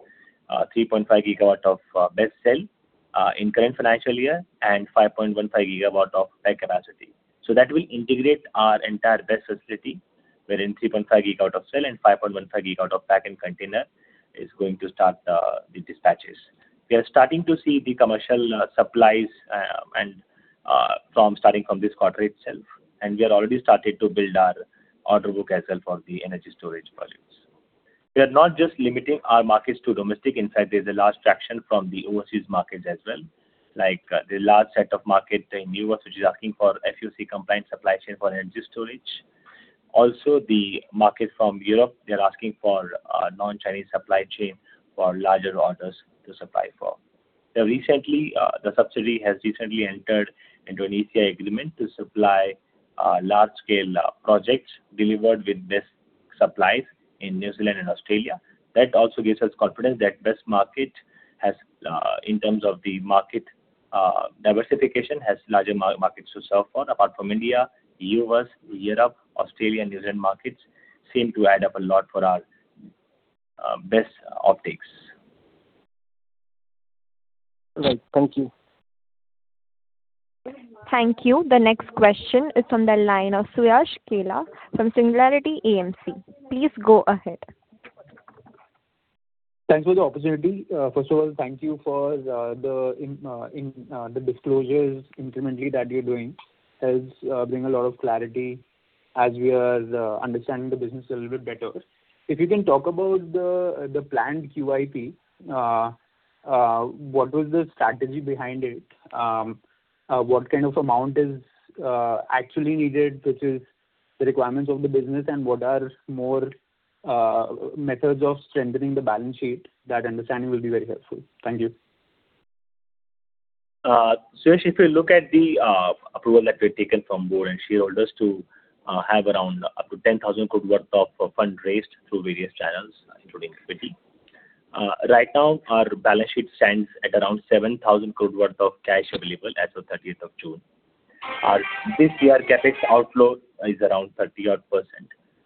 3.5 GWh of BESS cell in current financial year and 5.15 GWh of pack capacity. That will integrate our entire BESS facility, wherein 3.5 GWh of cell and 5.15 GWh of pack and container is going to start the dispatches. We are starting to see the commercial supplies and from starting from this quarter itself, and we are already started to build our order book as well for the Energy Storage projects. We are not just limiting our markets to domestic; in fact, there's a large traction from the overseas markets as well, like the large set of market in U.S. which is asking for FEOC compliant supply chain for Energy Storage. Also, the market from Europe, they're asking for a non-Chinese supply chain for larger orders to supply for. The subsidy has recently entered into an ECA agreement to supply large scale projects delivered with BESS supplies in New Zealand and Australia. That also gives us confidence that BESS market, in terms of the market diversification, has larger markets to sell for. Apart from India, U.S., Europe, Australia, and New Zealand markets seem to add up a lot for our BESS optics. Right. Thank you. Thank you. The next question is from the line of Suyash Kela from Singularity AMC. Please go ahead. Thanks for the opportunity. First of all, thank you for the disclosures incrementally that you're doing. Helps bring a lot of clarity as we are understanding the business a little bit better. If you can talk about the planned QIP, what was the strategy behind it? What kind of amount is actually needed, which is the requirements of the business, and what are more methods of strengthening the balance sheet? That understanding will be very helpful. Thank you. Suyash, if you look at the approval that we've taken from board and shareholders to have around up to 10,000 crore worth of fund raised through various channels, including equity. Right now, our balance sheet stands at around 7,000 crore worth of cash available as of 30th of June. Our this year CapEx outflow is around 30%odd.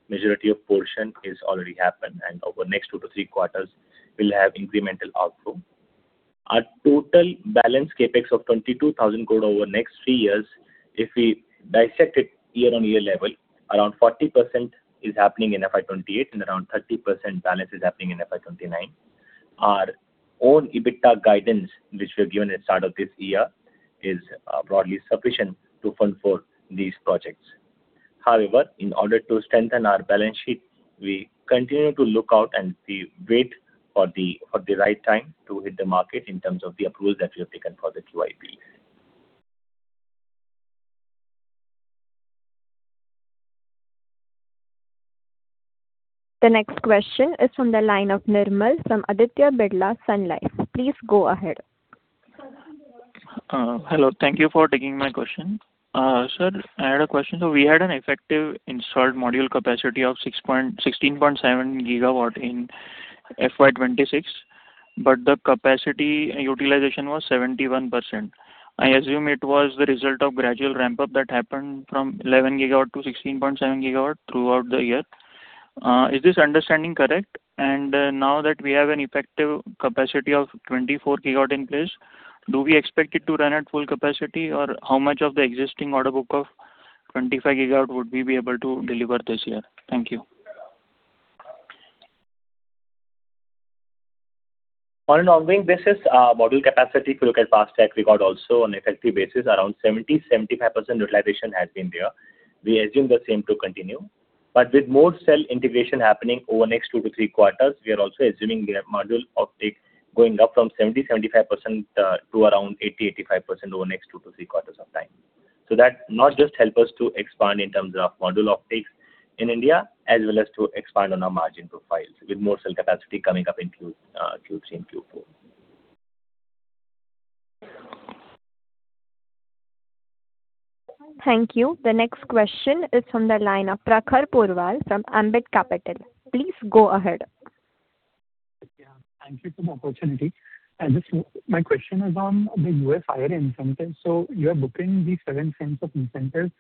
Majority of portion is already happened, and over next two to three quarters, we'll have incremental outflow. Our total balance CapEx of 22,000 crore over next three years, if we dissect it year-on-year level, around 40% is happening in FY 2028 and around 30% balance is happening in FY 2029. Our own EBITDA guidance, which we've given at start of this year, is broadly sufficient to fund for these projects. In order to strengthen our balance sheet, we continue to look out and wait for the right time to hit the market in terms of the approval that we have taken for the QIP. The next question is from the line of Nirmal from Aditya Birla Sun Life. Please go ahead. Hello. Thank you for taking my question. Sir, I had a question. We had an effective installed module capacity of 16.7 GWh in FY 2026, but the capacity utilization was 71%. I assume it was the result of gradual ramp-up that happened from 11 GWh-16.7 GWh throughout the year. Is this understanding correct? Now that we have an effective capacity of 24 GWh in place, do we expect it to run at full capacity, or how much of the existing order book of 25 GWh would we be able to deliver this year? Thank you. On an ongoing basis, our module capacity, if you look at past track record also on effective basis, around 70%-75% utilization has been there. We assume the same to continue, but with more cell integration happening over the next two to three quarters, we are also assuming we have module offtake going up from 70%-75% to around 80%-85% over the next two to three quarters of time. That not just help us to expand in terms of module offtake in India as well as to expand on our margin profiles with more cell capacity coming up in Q3 and Q4. Thank you. The next question is from the line of Prakhar Porwal from Ambit Capital. Please go ahead. Yeah. Thank you for the opportunity. My question is on the U.S. IRA incentives. You are booking these $0.07 of incentives.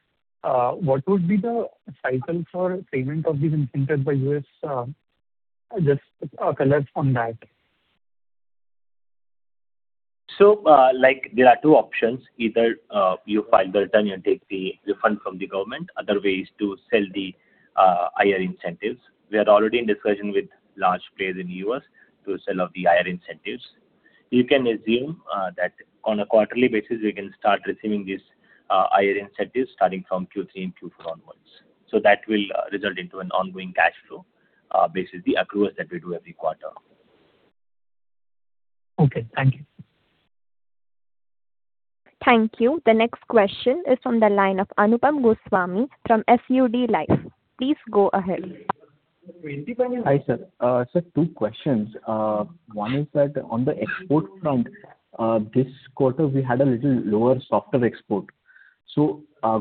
What would be the cycle for payment of these incentives by U.S.? Just a color on that. There are two options. Either you file return, you take the refund from the government. Other way is to sell the IRA incentives. We are already in discussion with large players in the U.S. to sell off the IRA incentives. You can assume that on a quarterly basis, we can start receiving these IRA incentives starting from Q3 and Q4 onwards. That will result into an ongoing cash flow basis, the accruals that we do every quarter. Okay. Thank you. Thank you. The next question is from the line of Anupam Goswami from SUD Life. Please go ahead. Hi, sir. Sir, two questions. One is that on the export front, this quarter, we had a little lower softer export.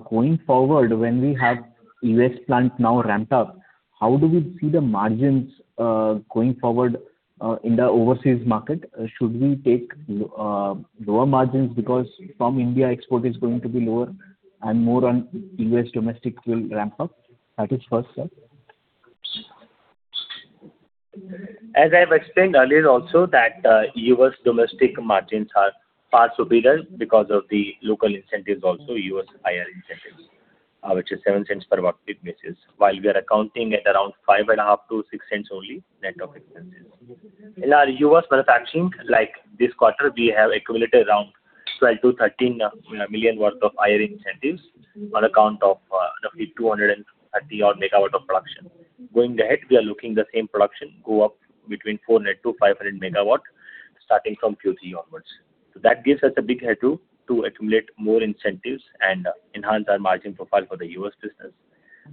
Going forward when we have U.S. plant now ramped up, how do we see the margins going forward in the overseas market? Should we take lower margins because from India export is going to be lower and more on U.S. domestic will ramp up? That is first, sir. As I have explained earlier also that U.S. domestic margins are far superior because of the local incentives also, U.S. IRA incentives, which is $0.07 per Wp basis, while we are accounting at around $0.055-$0.06 only net of expenses. In our U.S. manufacturing, like this quarter, we have accumulated around $12 million-$13 million worth of IRA incentives on account of roughly 230 MW of production. Going ahead, we are looking the same production go up between 400 MW-500 MW starting from Q3 onwards. That gives us a big headroom to accumulate more incentives and enhance our margin profile for the U.S. business.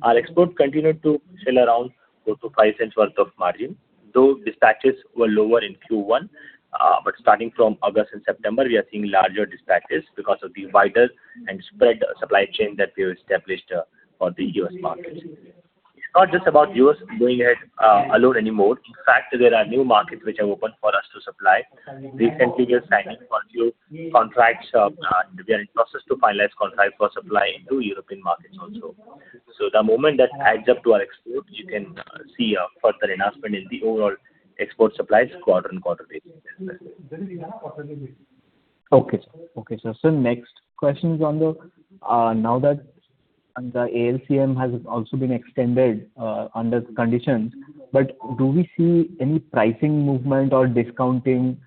Our exports continued to sail around $0.04-$0.05 worth of margin, though dispatches were lower in Q1. Starting from August and September, we are seeing larger dispatches because of the wider and spread supply chain that we have established for the U.S. markets. It's not just about U.S. going ahead alone anymore. In fact, there are new markets which have opened for us to supply. Recently, we are signing a few contracts. We are in process to finalize contract for supply into European markets also. The moment that adds up to our exports, you can see a further enhancement in the overall export supplies quarter-on-quarter basis. Okay, sir. Next question is. Now that the ALMM has also been extended under conditions, do we see any pricing movement or discounting,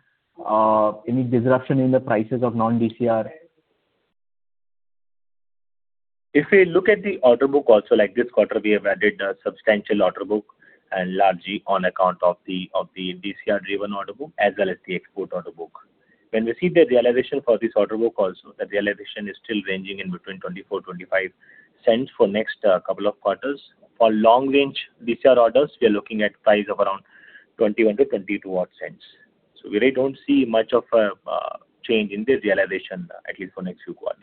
any disruption in the prices of non-DCR? If we look at the order book also, like this quarter, we have added a substantial order book and largely on account of the DCR driven order book as well as the export order book. When we see the realization for this order book also, the realization is still ranging in between $0.24-$0.25 for next couple of quarters. For long range DCR orders, we are looking at price of around $0.21-$0.22. We really don't see much of a change in the realization, at least for next few quarters.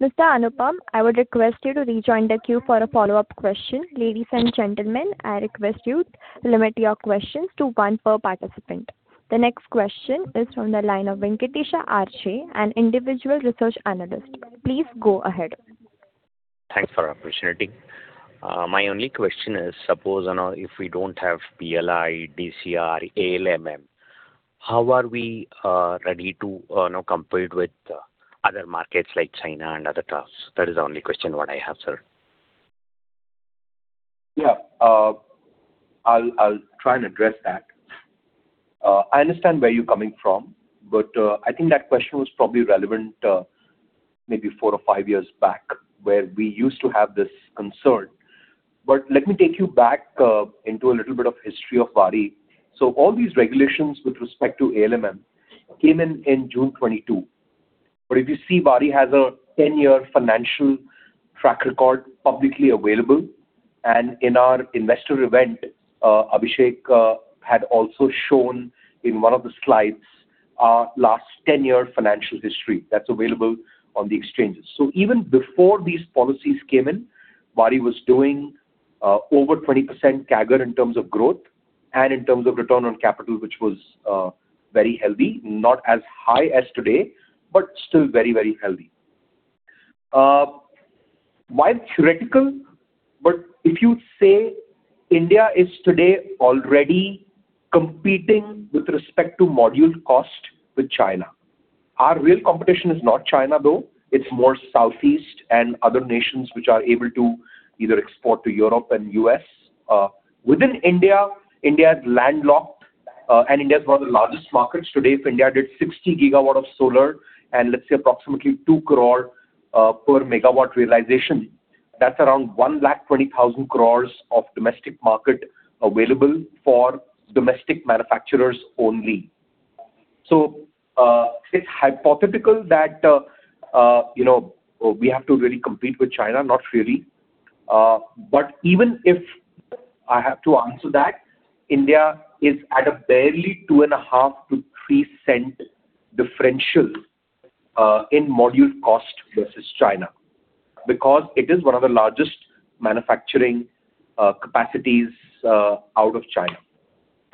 Mr. Anupam, I would request you to rejoin the queue for a follow-up question. Ladies and gentlemen, I request you to limit your questions to one per participant. The next question is from the line of Venkatesha R.J., an individual research analyst. Please go ahead. Thanks for the opportunity. My only question is, suppose if we don't have PLI, DCR, ALMM, how are we ready to compete with other markets like China and other tariffs? That is the only question what I have, sir. Yeah. I'll try and address that. I understand where you're coming from, I think that question was probably relevant maybe four or five years back, where we used to have this concern. Let me take you back into a little bit of history of Waaree. All these regulations with respect to ALMM came in in June 2022. If you see, Waaree has a 10-year financial track record publicly available. In our investor event, Abhishek had also shown in one of the slides our last 10-year financial history that's available on the exchanges. Even before these policies came in, Waaree was doing over 20% CAGR in terms of growth and in terms of return on capital, which was very healthy. Not as high as today, but still very healthy. While theoretical, if you say India is today already competing with respect to module cost with China. Our real competition is not China, though. It's more Southeast and other nations which are able to either export to Europe and U.S. Within India is landlocked, and India is one of the largest markets today. If India did 60 GWh of solar and let's say approximately 2 crore per megawatt realization, that's around 1,20,000 crore of domestic market available for domestic manufacturers only. It's hypothetical that we have to really compete with China, not really. Even if I have to answer that, India is at a barely $0.025-$0.03 differential in module cost versus China because it is one of the largest manufacturing capacities out of China.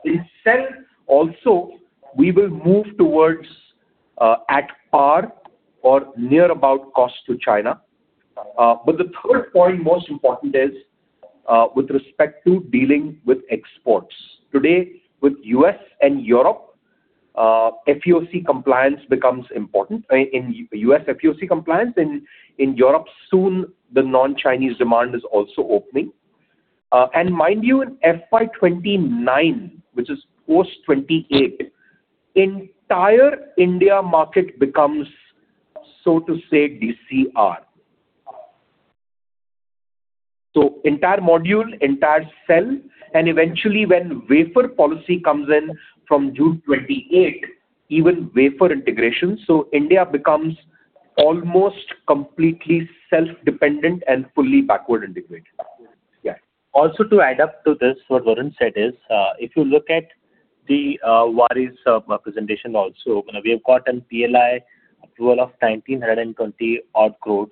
In cell also, we will move towards at par or near about cost to China. The third point, most important, is with respect to dealing with exports. Today, with U.S. and Europe, FEOC compliance becomes important. In U.S., FEOC compliance. In Europe, soon the non-Chinese demand is also opening. Mind you, in FY 2029, which is post 2028, entire India market becomes, so to say, DCR. Entire module, entire cell, and eventually when wafer policy comes in from June 2028, even wafer integration. India becomes almost completely self-dependent and fully backward integrated. Yeah. To add up to this, what Varun said is, if you look at the Waaree's presentation also, we have got an PLI approval of 1,920 crore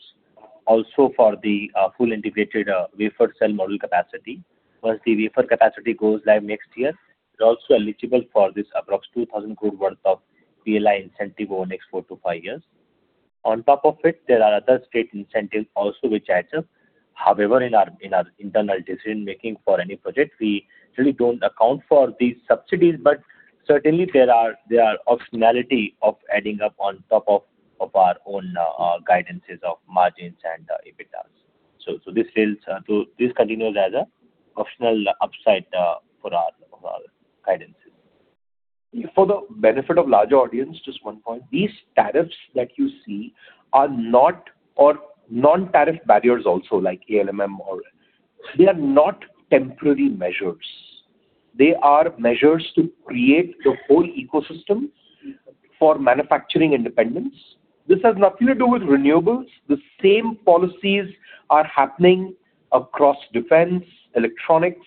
also for the full integrated wafer cell module capacity. Once the wafer capacity goes live next year, it's also eligible for this approx 2,000 crore worth of PLI incentive over next four to five years. On top of it, there are other state incentives also which adds up. In our internal decision-making for any project, we really don't account for these subsidies, but certainly they are optionality of adding up on top of our own guidances of margins and EBITDAs. This continues as a optional upside for our guidances. For the benefit of larger audience, just one point. These tariffs that you see are not non-tariff barriers also, like ALMM. They are not temporary measures. They are measures to create the whole ecosystem for manufacturing independence. This has nothing to do with renewables. The same policies are happening across defense, electronics,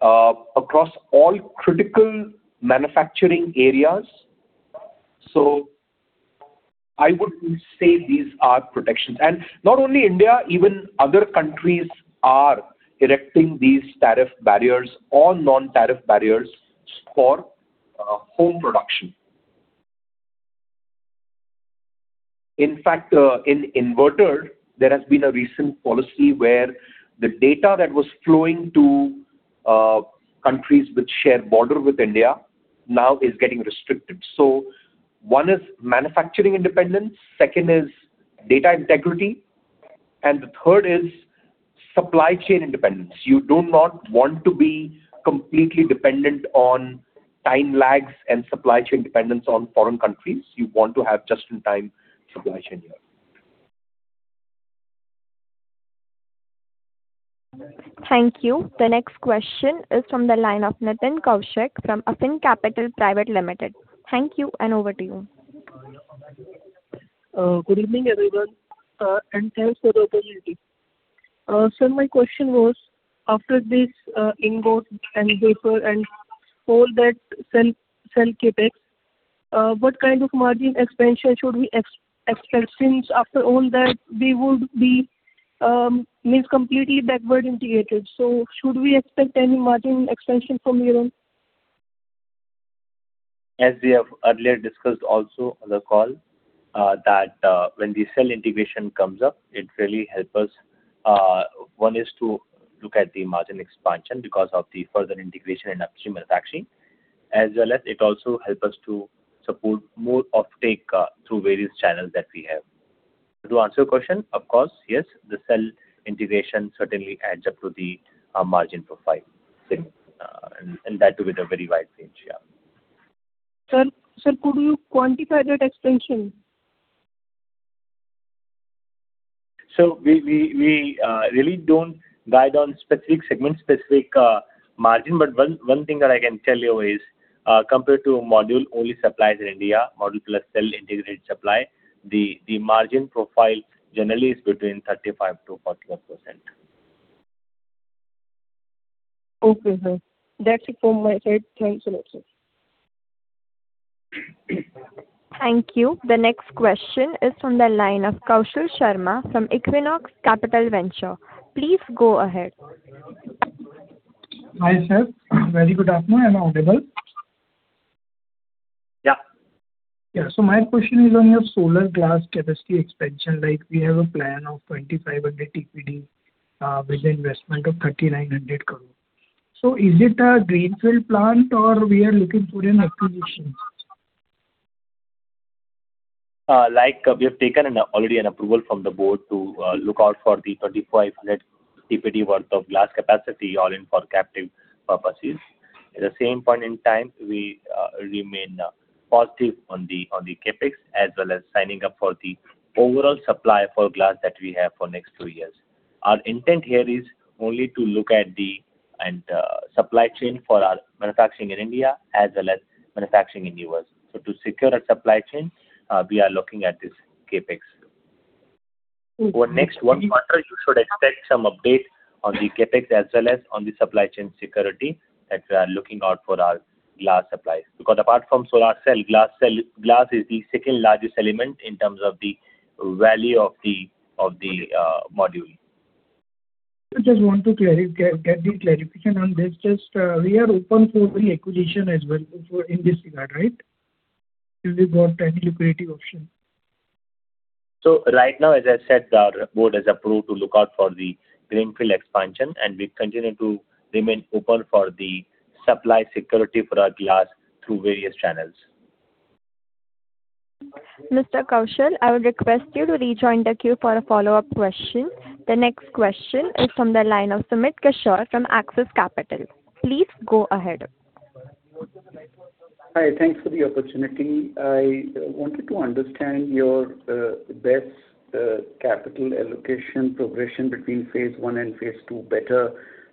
across all critical manufacturing areas. I wouldn't say these are protections. Not only India, even other countries are erecting these tariff barriers or non-tariff barriers for home production. In fact, in inverter, there has been a recent policy where the data that was flowing to countries which share border with India now is getting restricted. One is manufacturing independence, second is data integrity, and the third is supply chain independence. You do not want to be completely dependent on time lags and supply chain dependence on foreign countries. You want to have just-in-time supply chain here. Thank you. The next question is from the line of Nitin Kaushik from Afin Capital Private Limited. Thank you, and over to you. Good evening, everyone, and thanks for the opportunity. Sir, my question was, after this ingot and wafer and whole that cell CapEx, what kind of margin expansion should we expect since after all that we would be completely backward integrated? Should we expect any margin expansion from here on? As we have earlier discussed also on the call, when the cell integration comes up, it really helps us. One is to look at the margin expansion because of the further integration in upstream manufacturing, as well as it also helps us to support more offtake through various channels that we have. To answer your question, of course, yes, the cell integration certainly adds up to the margin profile and that too with a very wide range. Yeah. Sir, could you quantify that expansion? We really don't guide on specific segment, specific margin. One thing that I can tell you is, compared to module only supplies in India, module plus cell integrated supply, the margin profile generally is between 35%-41%. Okay, sir. That's it from my side. Thanks a lot, sir. Thank you. The next question is from the line of Kaushal Sharma from Equinox Capital Venture. Please go ahead. Hi, sir. Very good afternoon. Am I audible? Yeah. Yeah. My question is on your solar glass capacity expansion. We have a plan of 2,500 TPD, with an investment of 3,900 crore. Is it a greenfield plant or we are looking for an acquisition? We have taken already an approval from the board to look out for the 3,500 TPD worth of glass capacity, all in for captive purposes. At the same point in time, we remain positive on the CapEx, as well as signing up for the overall supply for glass that we have for next two years. Our intent here is only to look at the supply chain for our manufacturing in India as well as manufacturing in U.S. To secure a supply chain, we are looking at this CapEx. For next one quarter, you should expect some update on the CapEx as well as on the supply chain security as we are looking out for our glass supplies. Because apart from solar cell, glass is the second largest element in terms of the value of the module. I just want to get the clarification on this. We are open for the acquisition as well in this regard, right? Is it both technically accretive option? Right now, as I said, our board has approved to look out for the greenfield expansion, we're continuing to remain open for the supply security for our glass through various channels. Mr. Kaushal, I would request you to rejoin the queue for a follow-up question. The next question is from the line of Sumit Kishore from Axis Capital. Please go ahead. Hi, thanks for the opportunity. I wanted to understand your BESS capital allocation progression between phase I and phase II better.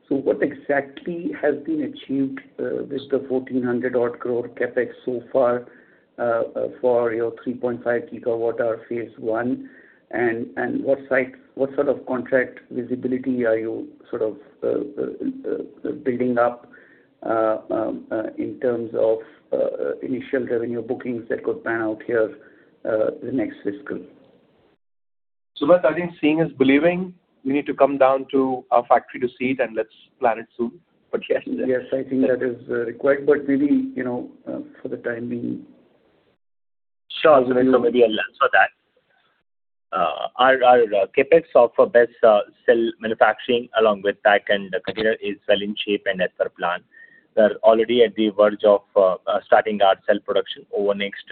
What exactly has been achieved with the 1,400 odd crore CapEx so far, for your 3.5 GWh, phase I, what sort of contract visibility are you sort of building up, in terms of initial revenue bookings that could pan out here the next fiscal? Sumit, I think seeing is believing. We need to come down to our factory to see it, yes. Yes, I think that is required, maybe, for the time being. Sure. Maybe I'll answer that. Our CapEx of our BESS cell manufacturing along with pack and container is well in shape and as per plan. We're already at the verge of starting our cell production over next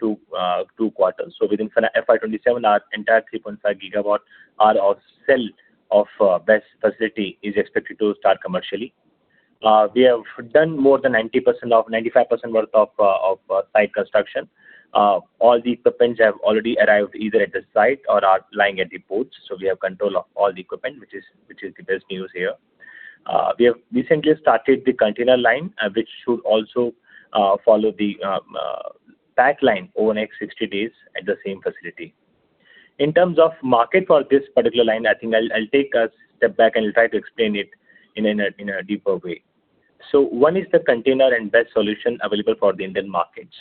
two quarters. Within FY 2027, our entire 3.5 GWh of cell of BESS facility is expected to start commercially. We have done more than 90%-95% worth of site construction. All the equipment have already arrived either at the site or are lying at the ports. We have control of all the equipment, which is the best news here. We have recently started the container line, which should also follow the pack line over next 60 days at the same facility. In terms of market for this particular line, I think I'll take a step back and try to explain it in a deeper way. One is the container and BESS solution available for the Indian markets,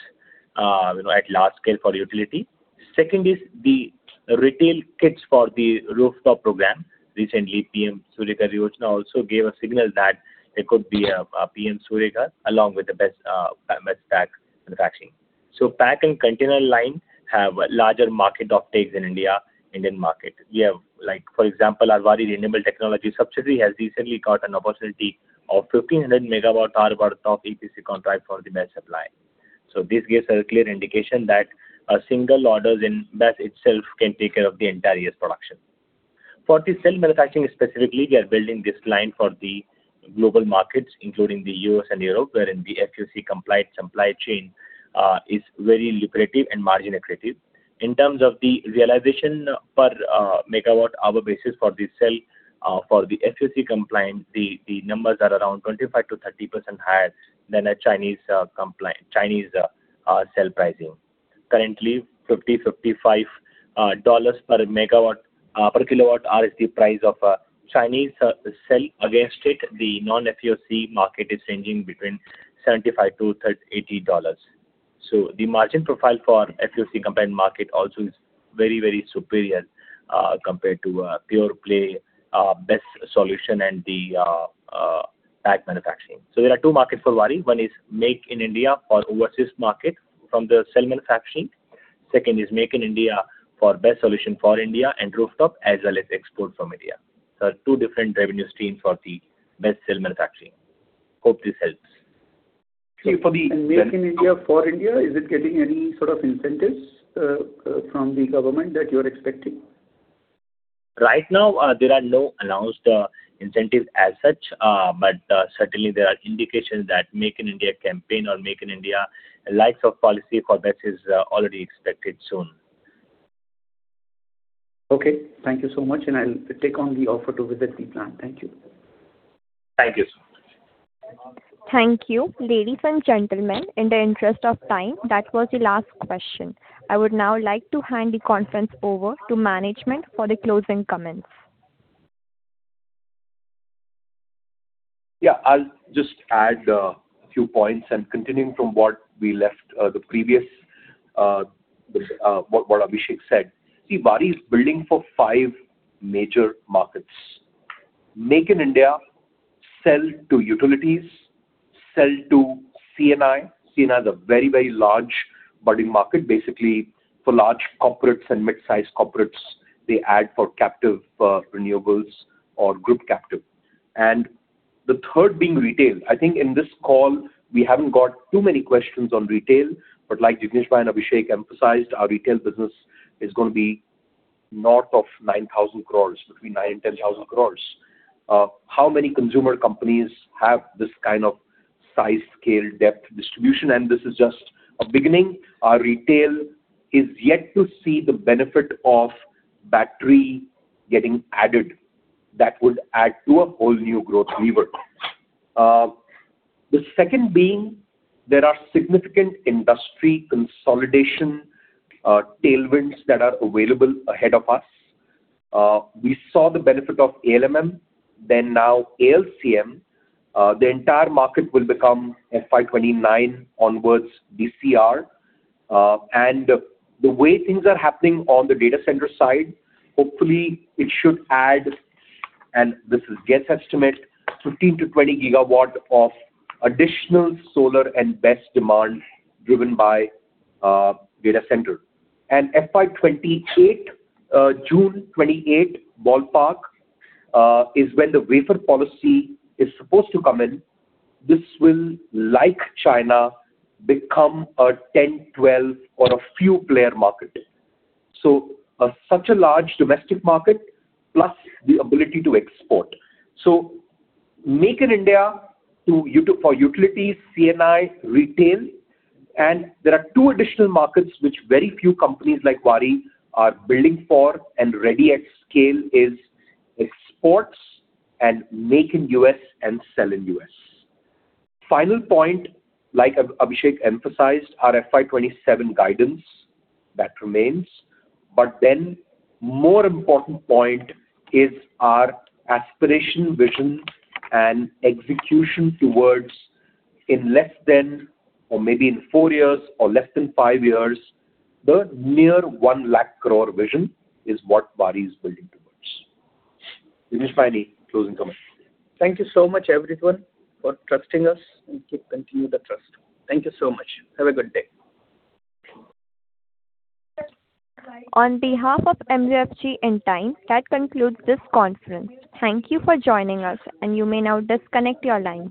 at large scale for utility. Second is the retail kits for the rooftop program. Recently, PM Surya Ghar also gave a signal that there could be a PM Surya Ghar along with the BESS pack manufacturing. Pack and container line have larger market optics in India, Indian market. We have, for example, our Waaree Renewable Technologies subsidiary has recently got an opportunity of 1,500 MWh worth of EPC contract for the BESS supply. This gives a clear indication that a single orders in BESS itself can take care of the entire year's production. For the cell manufacturing specifically, we are building this line for the global markets, including the U.S. and Europe, wherein the FEOC compliant supply chain is very lucrative and margin accretive. In terms of the realization per MWh basis for the cell, for the FEOC compliant, the numbers are around 25%-30% higher than a Chinese cell pricing. Currently, $50-$55 per kWh is the price of a Chinese cell. Against it, the non-FEOC market is ranging between $75-$80. The margin profile for FEOC compliant market also is very superior, compared to a pure play, BESS solution and the pack manufacturing. There are two markets for Waaree. One is Make in India for overseas market from the cell manufacturing. Second is Make in India for BESS solution for India and rooftop as well as export from India. There are two different revenue streams for the BESS cell manufacturing. Hope this helps. Make in India for India, is it getting any sort of incentives from the government that you're expecting? Right now, there are no announced incentives as such. Certainly there are indications that Make in India campaign or Make in India likes of policy for BESS is already expected soon. Okay, thank you so much, and I'll take on the offer to visit the plant. Thank you. Thank you so much. Thank you. Ladies and gentlemen, in the interest of time, that was the last question. I would now like to hand the conference over to management for the closing comments. I'll just add a few points, continuing from what Abhishek said. Waaree is building for five major markets. Make in India, sell to utilities, sell to C&I. C&I is a very large budding market, basically for large corporates and mid-size corporates. They add for captive renewables or group captive. The third being retail. I think in this call we haven't got too many questions on retail, but like Jigneshbhai and Abhishek emphasized, our retail business is going to be north of 9,000 crore, between 9,000 crore and 10,000 crore. How many consumer companies have this kind of size, scale, depth, distribution? This is just a beginning. Our retail is yet to see the benefit of battery getting added. That would add to a whole new growth lever. The second being, there are significant industry consolidation tailwinds that are available ahead of us. We saw the benefit of ALMM, then now ALCM. The entire market will become FY 2029 onwards DCR. The way things are happening on the data center side, hopefully it should add, and this is guess estimate, 15 GWh-20 GWh of additional solar and BESS demand driven by data center. FY 2028, June 28, ballpark, is when the wafer policy is supposed to come in. This will, like China, become a 10, 12, or a few player market. Such a large domestic market, plus the ability to export. Make in India for utilities, C&I, retail, and there are two additional markets which very few companies like Waaree are building for and ready at scale is exports and make in U.S. and sell in U.S. Final point, like Abhishek emphasized, our FY 2027 guidance, that remains. More important point is our aspiration, vision, and execution towards in less than, or maybe in four years or less than five years, the near 1 lakh crore vision is what Waaree is building towards. Jigneshbhai, any closing comments? Thank you so much everyone for trusting us, keep continuing the trust. Thank you so much. Have a good day. On behalf of MUFG Intime, that concludes this conference. Thank you for joining us, you may now disconnect your lines.